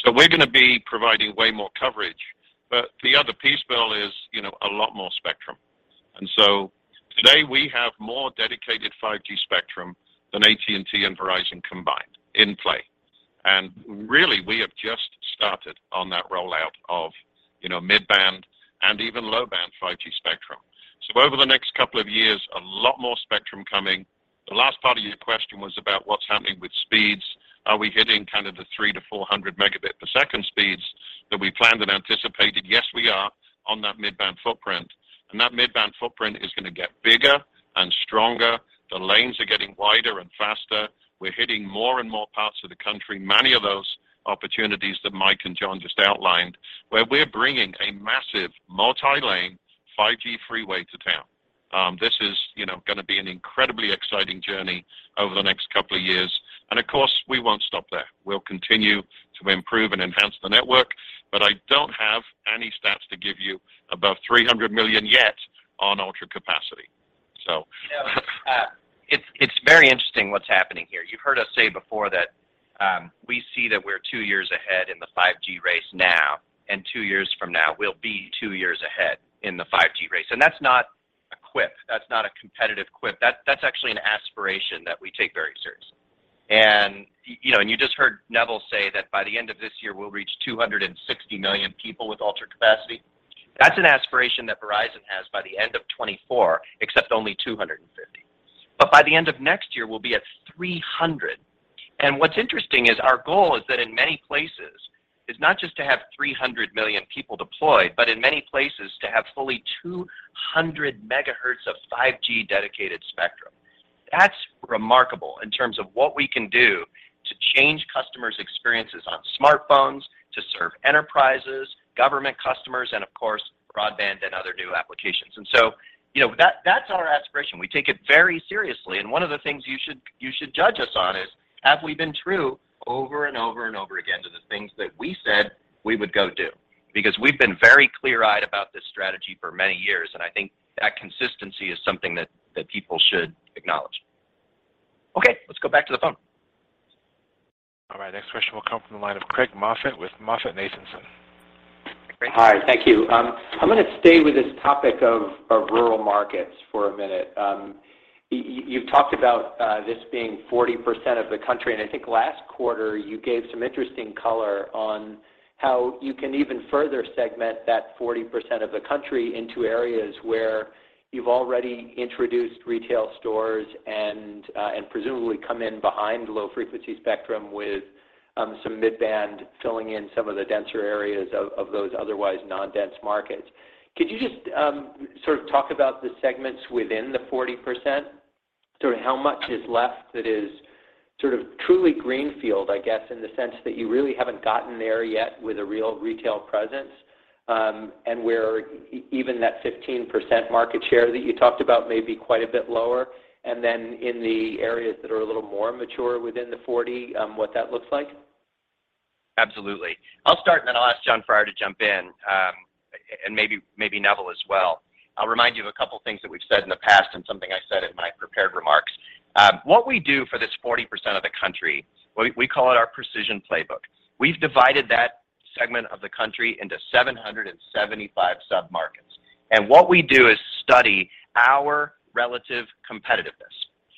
We're gonna be providing way more coverage. The other piece, Bill, is, you know, a lot more spectrum. Today, we have more dedicated 5G spectrum than AT&T and Verizon combined in play. Really, we have just started on that rollout of, you know, mid-band and even low-band 5G spectrum. Over the next couple of years, a lot more spectrum coming. The last part of your question was about what's happening with speeds. Are we hitting kind of the 300 Mbps-400 Mbps speeds that we planned and anticipated? Yes, we are on that mid-band footprint. That mid-band footprint is gonna get bigger and stronger. The lanes are getting wider and faster. We're hitting more and more parts of the country, many of those opportunities that Mike and Jon just outlined, where we're bringing a massive multi-lane 5G freeway to town. This is, you know, gonna be an incredibly exciting journey over the next couple of years. Of course, we won't stop there. We'll continue to improve and enhance the network. I don't have any stats to give you above 300 million yet on Ultra Capacity. No, it's very interesting what's happening here. You've heard us say before that we see that we're two years ahead in the 5G race now, and two years from now we'll be two years ahead in the 5G race. That's not a quip. That's not a competitive quip. That's actually an aspiration that we take very seriously. You know, you just heard Neville say that by the end of this year, we'll reach 260 million people with Ultra Capacity. That's an aspiration that Verizon has by the end of 2024, except only 250. By the end of next year, we'll be at 300. What's interesting is our goal is that in many places, it's not just to have 300 million people deployed, but in many places to have fully 200 MHz of 5G dedicated spectrum. That's remarkable in terms of what we can do to change customers' experiences on smartphones, to serve enterprises, government customers, and of course, broadband and other new applications. You know, that's our aspiration. We take it very seriously, and one of the things you should judge us on is have we been true over and over and over again to the things that we said we would go do? Because we've been very clear-eyed about this strategy for many years, and I think that consistency is something that people should acknowledge. Okay, let's go back to the phone. All right, next question will come from the line of Craig Moffett with MoffettNathanson. Craig? Hi, thank you. I'm gonna stay with this topic of rural markets for a minute. You've talked about this being 40% of the country, and I think last quarter you gave some interesting color on how you can even further segment that 40% of the country into areas where you've already introduced retail stores and presumably come in behind low-band spectrum with some mid-band filling in some of the denser areas of those otherwise non-dense markets. Could you just sort of talk about the segments within the 40%? Sort of how much is left that is sort of truly greenfield, I guess, in the sense that you really haven't gotten there yet with a real retail presence, and where even that 15% market share that you talked about may be quite a bit lower, and then in the areas that are a little more mature within the 40, what that looks like? Absolutely. I'll start, and then I'll ask Jon Freier to jump in, and maybe Neville as well. I'll remind you of a couple things that we've said in the past, and something I said in my prepared remarks. What we do for this 40% of the country, we call it our precision playbook. We've divided that segment of the country into 775 sub-markets, and what we do is study our relative competitiveness.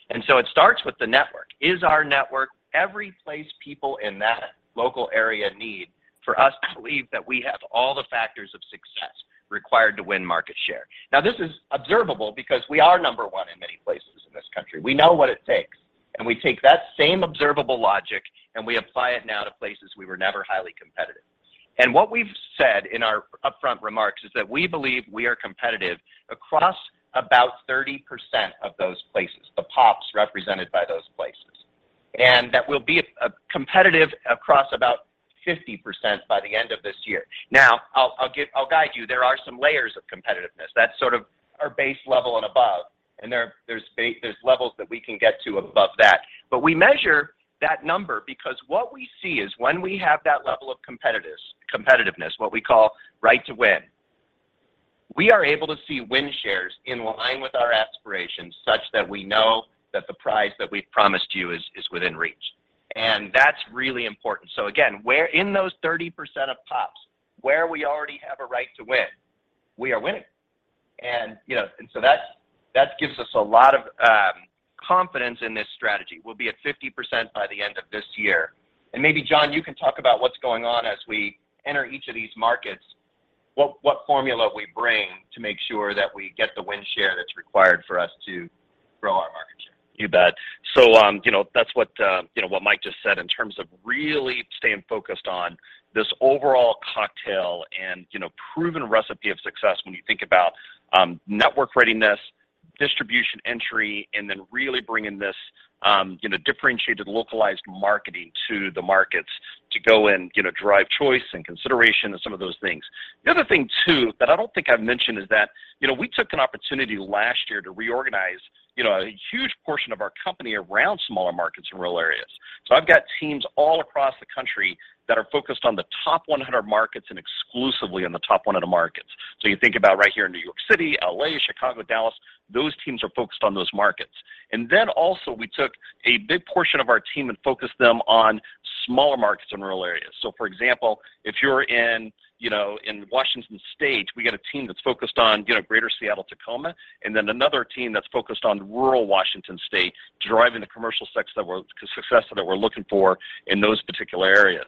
It starts with the network. Is our network every place people in that local area need for us to believe that we have all the factors of success required to win market share? Now, this is observable because we are number one in many places in this country. We know what it takes, and we take that same observable logic and we apply it now to places we were never highly competitive. What we've said in our upfront remarks is that we believe we are competitive across about 30% of those places, the pops represented by those places, and that we'll be competitive across about 50% by the end of this year. Now, I'll guide you, there are some layers of competitiveness. That's sort of our base level and above, and there are levels that we can get to above that. We measure that number because what we see is when we have that level of competitiveness, what we call right to win, we are able to see win shares in line with our aspirations such that we know that the prize that we've promised you is within reach, and that's really important. Again, we're in those 30% of pops, where we already have a right to win, we are winning. You know, and so that gives us a lot of confidence in this strategy. We'll be at 50% by the end of this year. Maybe Jon, you can talk about what's going on as we enter each of these markets, what formula we bring to make sure that we get the win share that's required for us to grow our market share. You bet. You know, that's what you know, what Mike just said in terms of really staying focused on this overall cocktail and, you know, proven recipe of success when you think about network readiness, distribution entry, and then really bringing this you know, differentiated, localized marketing to the markets to go and, you know, drive choice and consideration and some of those things. The other thing too that I don't think I've mentioned is that, you know, we took an opportunity last year to reorganize, you know, a huge portion of our company around smaller markets in rural areas. I've got teams all across the country that are focused on the top 100 markets and exclusively on the top 100 markets. You think about right here in New York City, L.A., Chicago, Dallas, those teams are focused on those markets. Then also we took a big portion of our team and focused them on smaller markets in rural areas. For example, if you're in, you know, in Washington State, we got a team that's focused on, you know, Greater Seattle-Tacoma, and then another team that's focused on rural Washington State, driving the commercial success that we're looking for in those particular areas.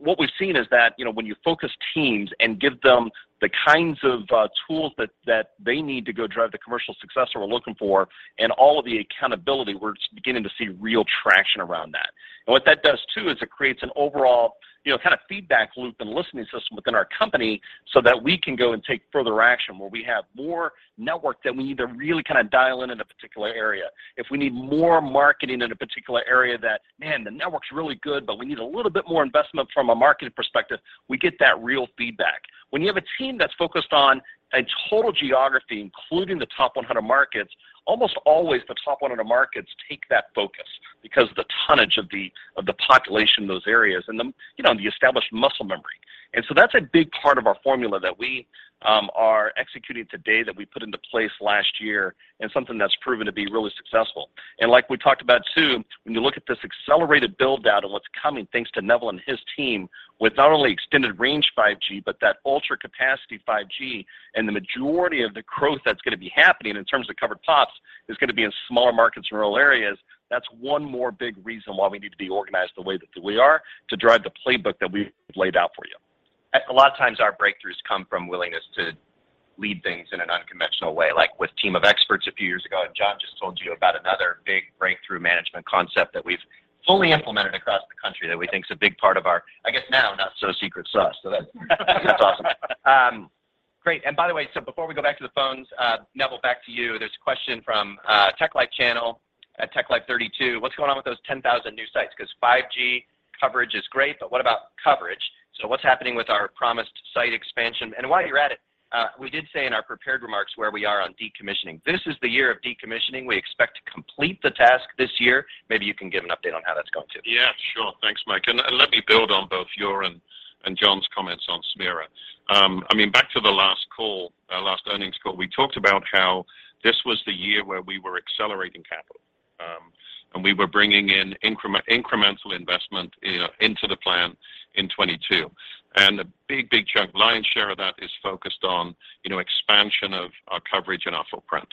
What we've seen is that, you know, when you focus teams and give them the kinds of tools that they need to go drive the commercial success that we're looking for and all of the accountability, we're beginning to see real traction around that. What that does too is it creates an overall, you know, kind of feedback loop and listening system within our company so that we can go and take further action where we have more network that we need to really kind of dial in in a particular area. If we need more marketing in a particular area that, man, the network's really good, but we need a little bit more investment from a marketing perspective, we get that real feedback. When you have a team that's focused on a total geography, including the top 100 markets, almost always the top 100 markets take that focus because the tonnage of the population in those areas and the, you know, the established muscle memory. That's a big part of our formula that we are executing today that we put into place last year and something that's proven to be really successful. Like we talked about too, when you look at this accelerated build-out and what's coming thanks to Neville and his team with not only Extended Range 5G, but that Ultra Capacity 5G and the majority of the growth that's gonna be happening in terms of covered pops is gonna be in smaller markets and rural areas, that's one more big reason why we need to be organized the way that we are to drive the playbook that we've laid out for you. A lot of times our breakthroughs come from willingness to lead things in an unconventional way, like with Team of Experts a few years ago, and John just told you about another big breakthrough management concept that we've fully implemented across the country that we think is a big part of our, I guess now not so secret sauce. That's awesome. Great. By the way, before we go back to the phones, Neville, back to you. There's a question from Tech Life Channel, Tech Life 32. What's going on with those 10,000 new sites? Because 5G coverage is great, but what about coverage? So what's happening with our promised site expansion? And while you're at it, we did say in our prepared remarks where we are on decommissioning. This is the year of decommissioning. We expect to complete the task this year. Maybe you can give an update on how that's going too. Yeah, sure. Thanks, Mike. Let me build on both your and Jon's comments on Ciena. I mean, back to the last call, our last earnings call, we talked about how this was the year where we were accelerating capital, and we were bringing in incremental investment into the plan in 2022. A big chunk lion's share of that is focused on, you know, expansion of our coverage and our footprint.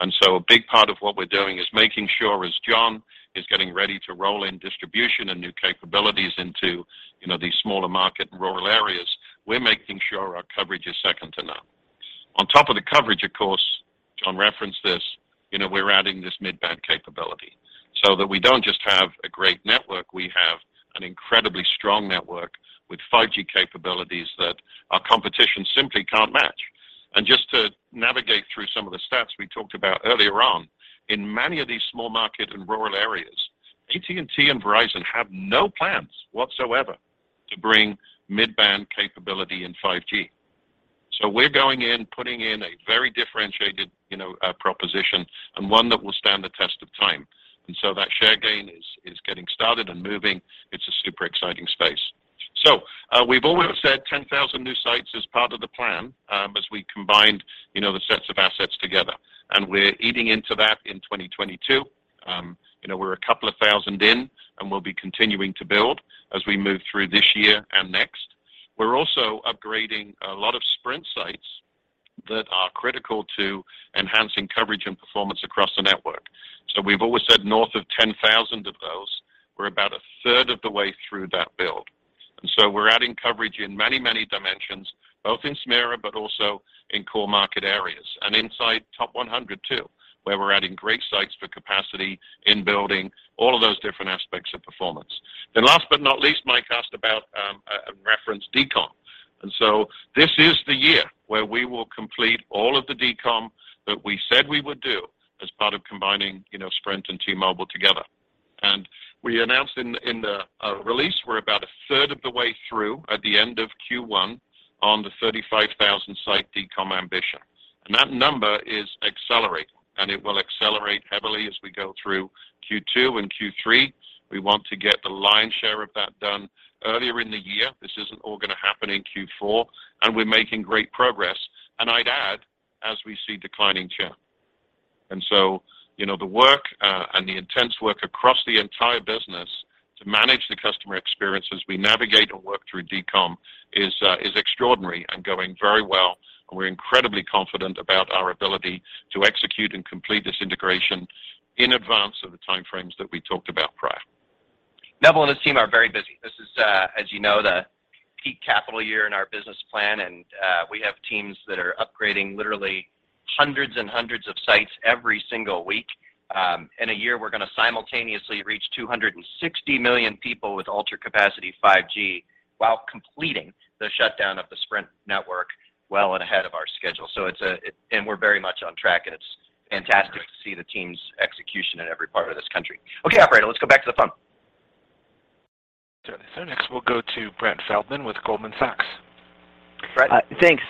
A big part of what we're doing is making sure as John is getting ready to roll in distribution and new capabilities into, you know, these smaller markets and rural areas, we're making sure our coverage is second to none. On top of the coverage, of course, Jon referenced this, you know, we're adding this mid-band capability so that we don't just have a great network, we have an incredibly strong network with 5G capabilities that our competition simply can't match. Just to navigate through some of the stats we talked about earlier on, in many of these smaller markets and rural areas, AT&T and Verizon have no plans whatsoever to bring mid-band capability in 5G. We're going in, putting in a very differentiated, you know, proposition and one that will stand the test of time. That share gain is getting started and moving. It's a super exciting space. We've always said 10,000 new sites is part of the plan, as we combined, you know, the sets of assets together, and we're eating into that in 2022. You know, we're 2,000 in, and we'll be continuing to build as we move through this year and next. We're also upgrading a lot of Sprint sites that are critical to enhancing coverage and performance across the network. We've always said north of 10,000 of those. We're about a third of the way through that build. We're adding coverage in many, many dimensions, both in smaller markets but also in core market areas and inside top 100 too, where we're adding great sites for capacity and building all of those different aspects of performance. Last but not least, Mike asked about decom. This is the year where we will complete all of the decom that we said we would do as part of combining, you know, Sprint and T-Mobile together. We announced in the release, we're about a third of the way through at the end of Q1 on the 35,000 site decom ambition. That number is accelerating, and it will accelerate heavily as we go through Q2 and Q3. We want to get the lion's share of that done earlier in the year. This isn't all gonna happen in Q4, and we're making great progress, and I'd add, as we see declining churn. You know, the work and the intense work across the entire business to manage the customer experience as we navigate and work through decom is extraordinary and going very well. We're incredibly confident about our ability to execute and complete this integration in advance of the time frames that we talked about prior. Neville and his team are very busy. This is, as you know, the peak CapEx year in our business plan, and we have teams that are upgrading literally hundreds and hundreds of sites every single week. In a year, we're gonna simultaneously reach 260 million people with Ultra Capacity 5G while completing the shutdown of the Sprint network well and ahead of our schedule. We're very much on track, and it's fantastic to see the team's execution in every part of this country. Okay, operator, let's go back to the phone. Certainly, sir. Next, we'll go to Brett Feldman with Goldman Sachs. Brett? Thanks.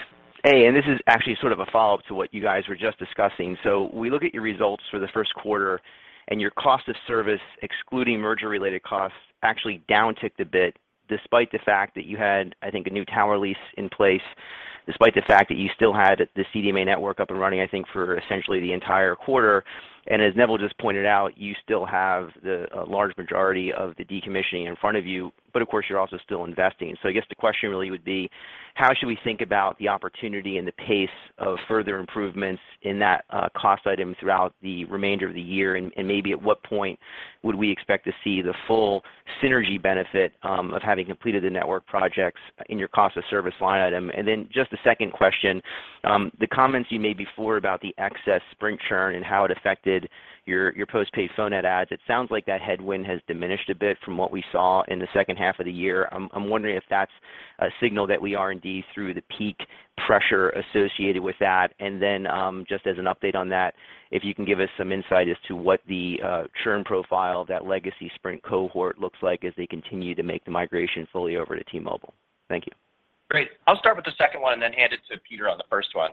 This is actually sort of a follow-up to what you guys were just discussing. We look at your results for the first quarter, and your cost of service, excluding merger related costs, actually downticked a bit despite the fact that you had, I think, a new tower lease in place, despite the fact that you still had the CDMA network up and running, I think, for essentially the entire quarter. As Neville just pointed out, you still have a large majority of the decommissioning in front of you, but of course you're also still investing. I guess the question really would be, how should we think about the opportunity and the pace of further improvements in that cost item throughout the remainder of the year? Maybe at what point would we expect to see the full synergy benefit of having completed the network projects in your cost of service line item? Just a second question, the comments you made before about the excess Sprint churn and how it affected your postpaid phone net adds, it sounds like that headwind has diminished a bit from what we saw in the second half of the year. I'm wondering if that's a signal that we are indeed through the peak pressure associated with that. Just as an update on that, if you can give us some insight as to what the churn profile of that legacy Sprint cohort looks like as they continue to make the migration fully over to T-Mobile. Thank you. Great. I'll start with the second one and then hand it to Peter on the first one.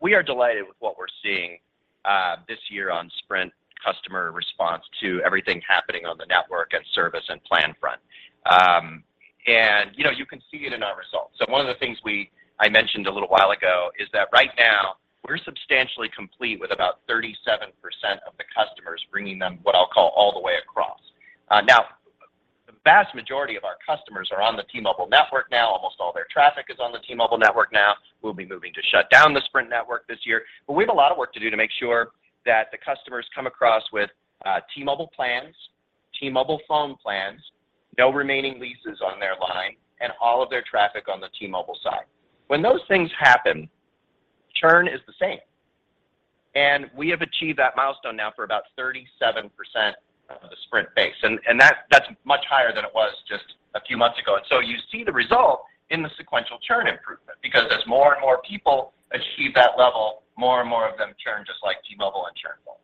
We are delighted with what we're seeing this year on Sprint customer response to everything happening on the network and service and plan front. You know, you can see it in our results. One of the things I mentioned a little while ago is that right now we're substantially complete with about 37% of the customers, bringing them what I'll call all the way across. Now the vast majority of our customers are on the T-Mobile network. Almost all their traffic is on the T-Mobile network now. We'll be moving to shut down the Sprint network this year. We have a lot of work to do to make sure that the customers come across with T-Mobile plans, T-Mobile phone plans, no remaining leases on their line, and all of their traffic on the T-Mobile side. When those things happen, churn is the same. We have achieved that milestone now for about 37% of the Sprint base. That's much higher than it was just a few months ago. You see the result in the sequential churn improvement because as more and more people achieve that level, more and more of them churn just like T-Mobile and churn less.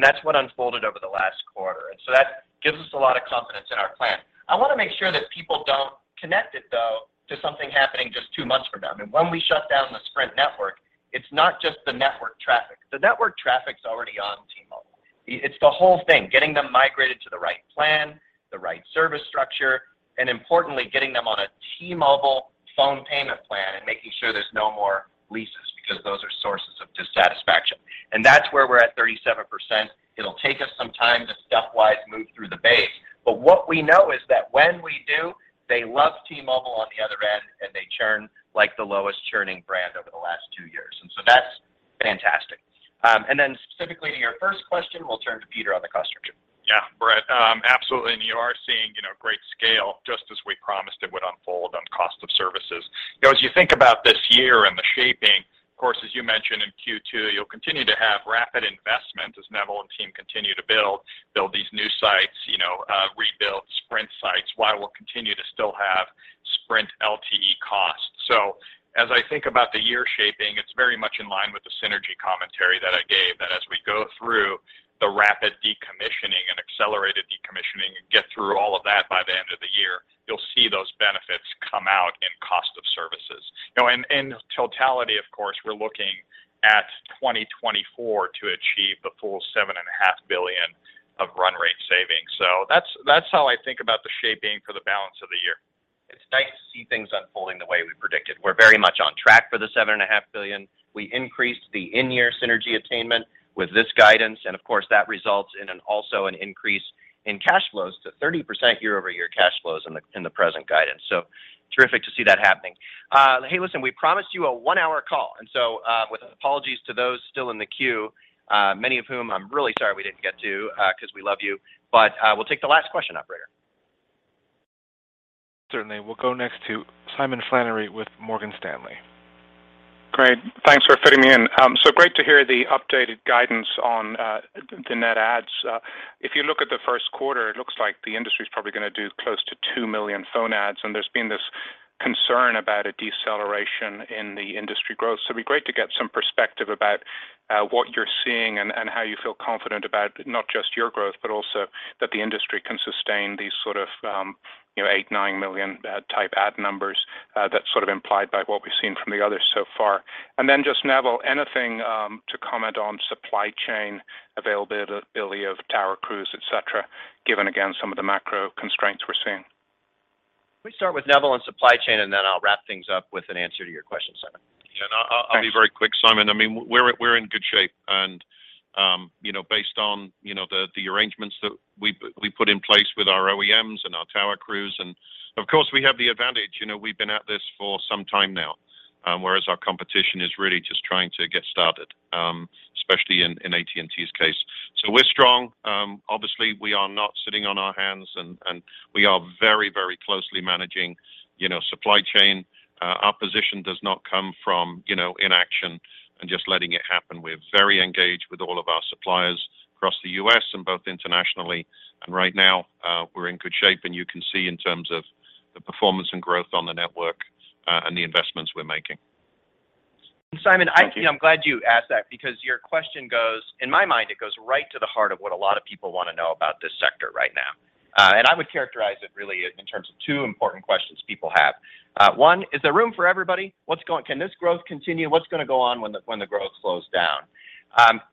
That's what unfolded over the last quarter. That gives us a lot of confidence in our plan. I wanna make sure that people don't connect it, though, to something happening just two months from now. I mean, when we shut down the Sprint network, it's not just the network traffic. The network traffic's already on T-Mobile. It's the whole thing, getting them migrated to the right plan, the right service structure, and importantly, getting them on a T-Mobile phone payment plan and making sure there's no more leases because those are sources of dissatisfaction. That's where we're at 37%. It'll take us some time to stepwise move through the base. What we know is that when we do, they love T-Mobile on the other end, and they churn like the lowest churning brand over the last two years. That's fantastic. Then specifically to your first question, we'll turn to Peter on the customer churn. Yeah, Brett, absolutely. You are seeing, you know, great scale, just as we promised it would unfold on cost of services. You know, as you think about this year and the shaping, of course, as you mentioned in Q2, you'll continue to have rapid investment as Neville and team continue to build these new sites, you know, rebuild Sprint sites, while we'll continue to still have Sprint LTE costs. As I think about the year shaping, it's very much in line with the synergy commentary that I gave, that as we go through the rapid decommissioning and accelerated decommissioning and get through all of that by the end of the year, you'll see those benefits come out in cost of services. You know, in totality, of course, we're looking at 2024 to achieve the full $7.5 billion of run rate savings. That's how I think about the shaping for the balance of the year. It's nice to see things unfolding the way we predicted. We're very much on track for the $7.5 billion. We increased the in-year synergy attainment with this guidance, and of course, that results in an increase in cash flows to 30% year-over-year in the present guidance. Terrific to see that happening. Hey, listen, we promised you a one-hour call, and so, with apologies to those still in the queue, many of whom I'm really sorry we didn't get to, 'cause we love you, but, we'll take the last question, operator. Certainly. We'll go next to Simon Flannery with Morgan Stanley. Great. Thanks for fitting me in. Great to hear the updated guidance on the net adds. If you look at the first quarter, it looks like the industry is probably gonna do close to 2 million phone adds, and there's been this concern about a deceleration in the industry growth. It'd be great to get some perspective about what you're seeing and how you feel confident about not just your growth, but also that the industry can sustain these sort of you know 8-9 million a year add numbers, that's sort of implied by what we've seen from the others so far. Then just Neville, anything to comment on supply chain availability of tower crews, et cetera, given again some of the macro constraints we're seeing? Let me start with Neville on supply chain, and then I'll wrap things up with an answer to your question, Simon. Yeah. I'll be very quick, Simon. I mean, we're in good shape and, you know, based on, you know, the arrangements that we put in place with our OEMs and our tower crews. Of course, we have the advantage, you know, we've been at this for some time now, whereas our competition is really just trying to get started, especially in AT&T's case. We're strong. Obviously, we are not sitting on our hands, and we are very, very closely managing, you know, supply chain. Our position does not come from, you know, inaction and just letting it happen. We're very engaged with all of our suppliers across the U.S. and both internationally. Right now, we're in good shape, and you can see in terms of the performance and growth on the network, and the investments we're making. Simon, I'm glad you asked that because your question goes in my mind, it goes right to the heart of what a lot of people wanna know about this sector right now. I would characterize it really in terms of two important questions people have. One, is there room for everybody? Can this growth continue? What's gonna go on when the growth slows down?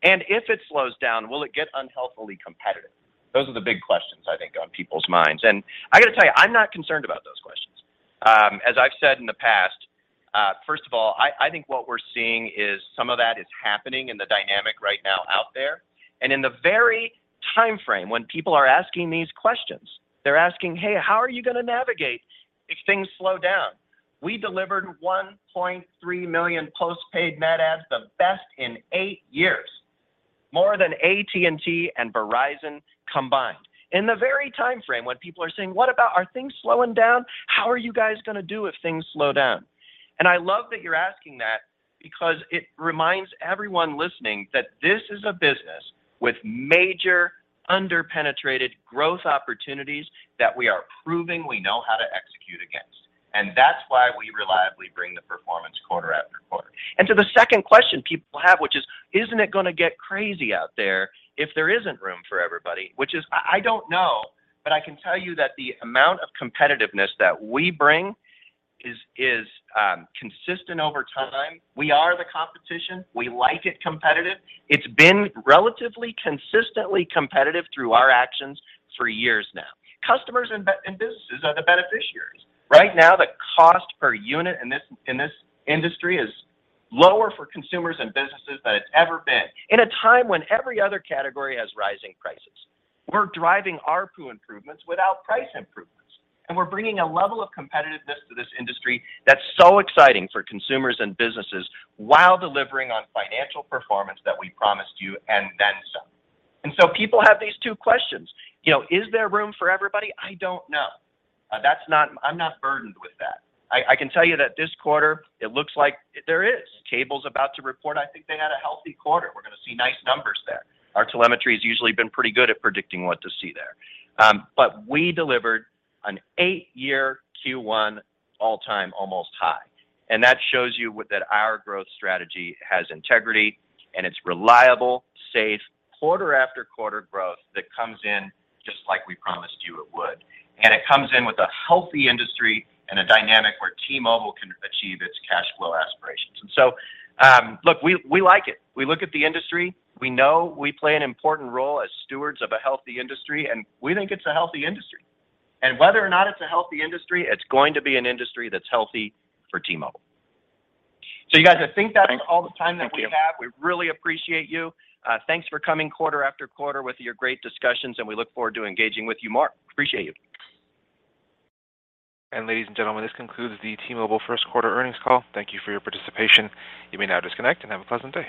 If it slows down, will it get unhealthily competitive? Those are the big questions I think on people's minds. I gotta tell you, I'm not concerned about those questions. As I've said in the past, first of all, I think what we're seeing is some of that is happening in the dynamic right now out there. In the very timeframe when people are asking these questions, they're asking, "Hey, how are you gonna navigate if things slow down?" We delivered 1.3 million postpaid net adds, the best in eight years, more than AT&T and Verizon combined. In the very timeframe when people are saying, "What about? Are things slowing down? How are you guys gonna do if things slow down?" I love that you're asking that because it reminds everyone listening that this is a business with major underpenetrated growth opportunities that we are proving we know how to execute against. That's why we reliably bring the performance quarter after quarter. To the second question people have, which is, isn't it gonna get crazy out there if there isn't room for everybody? Which is, I don't know, but I can tell you that the amount of competitiveness that we bring is consistent over time. We are the competition. We like it competitive. It's been relatively consistently competitive through our actions for years now. Customers and businesses are the beneficiaries. Right now, the cost per unit in this industry is lower for consumers and businesses than it's ever been. In a time when every other category has rising prices, we're driving ARPU improvements without price improvements. We're bringing a level of competitiveness to this industry that's so exciting for consumers and businesses while delivering on financial performance that we promised you and then some. People have these two questions. You know, is there room for everybody? I don't know. That's not. I'm not burdened with that. I can tell you that this quarter, it looks like there is. Cable's about to report, I think they had a healthy quarter. We're gonna see nice numbers there. Our telemetry has usually been pretty good at predicting what to see there. But we delivered an eight-year Q1 all-time almost high. That shows you that our growth strategy has integrity, and it's reliable, safe, quarter after quarter growth that comes in just like we promised you it would. It comes in with a healthy industry and a dynamic where T-Mobile can achieve its cash flow aspirations. Look, we like it. We look at the industry. We know we play an important role as stewards of a healthy industry, and we think it's a healthy industry. Whether or not it's a healthy industry, it's going to be an industry that's healthy for T-Mobile. You guys, I think that's all the time that we have. Thank you. We really appreciate you. Thanks for coming quarter after quarter with your great discussions, and we look forward to engaging with you more. Appreciate you. Ladies and gentlemen, this concludes the T-Mobile first quarter earnings call. Thank you for your participation. You may now disconnect and have a pleasant day.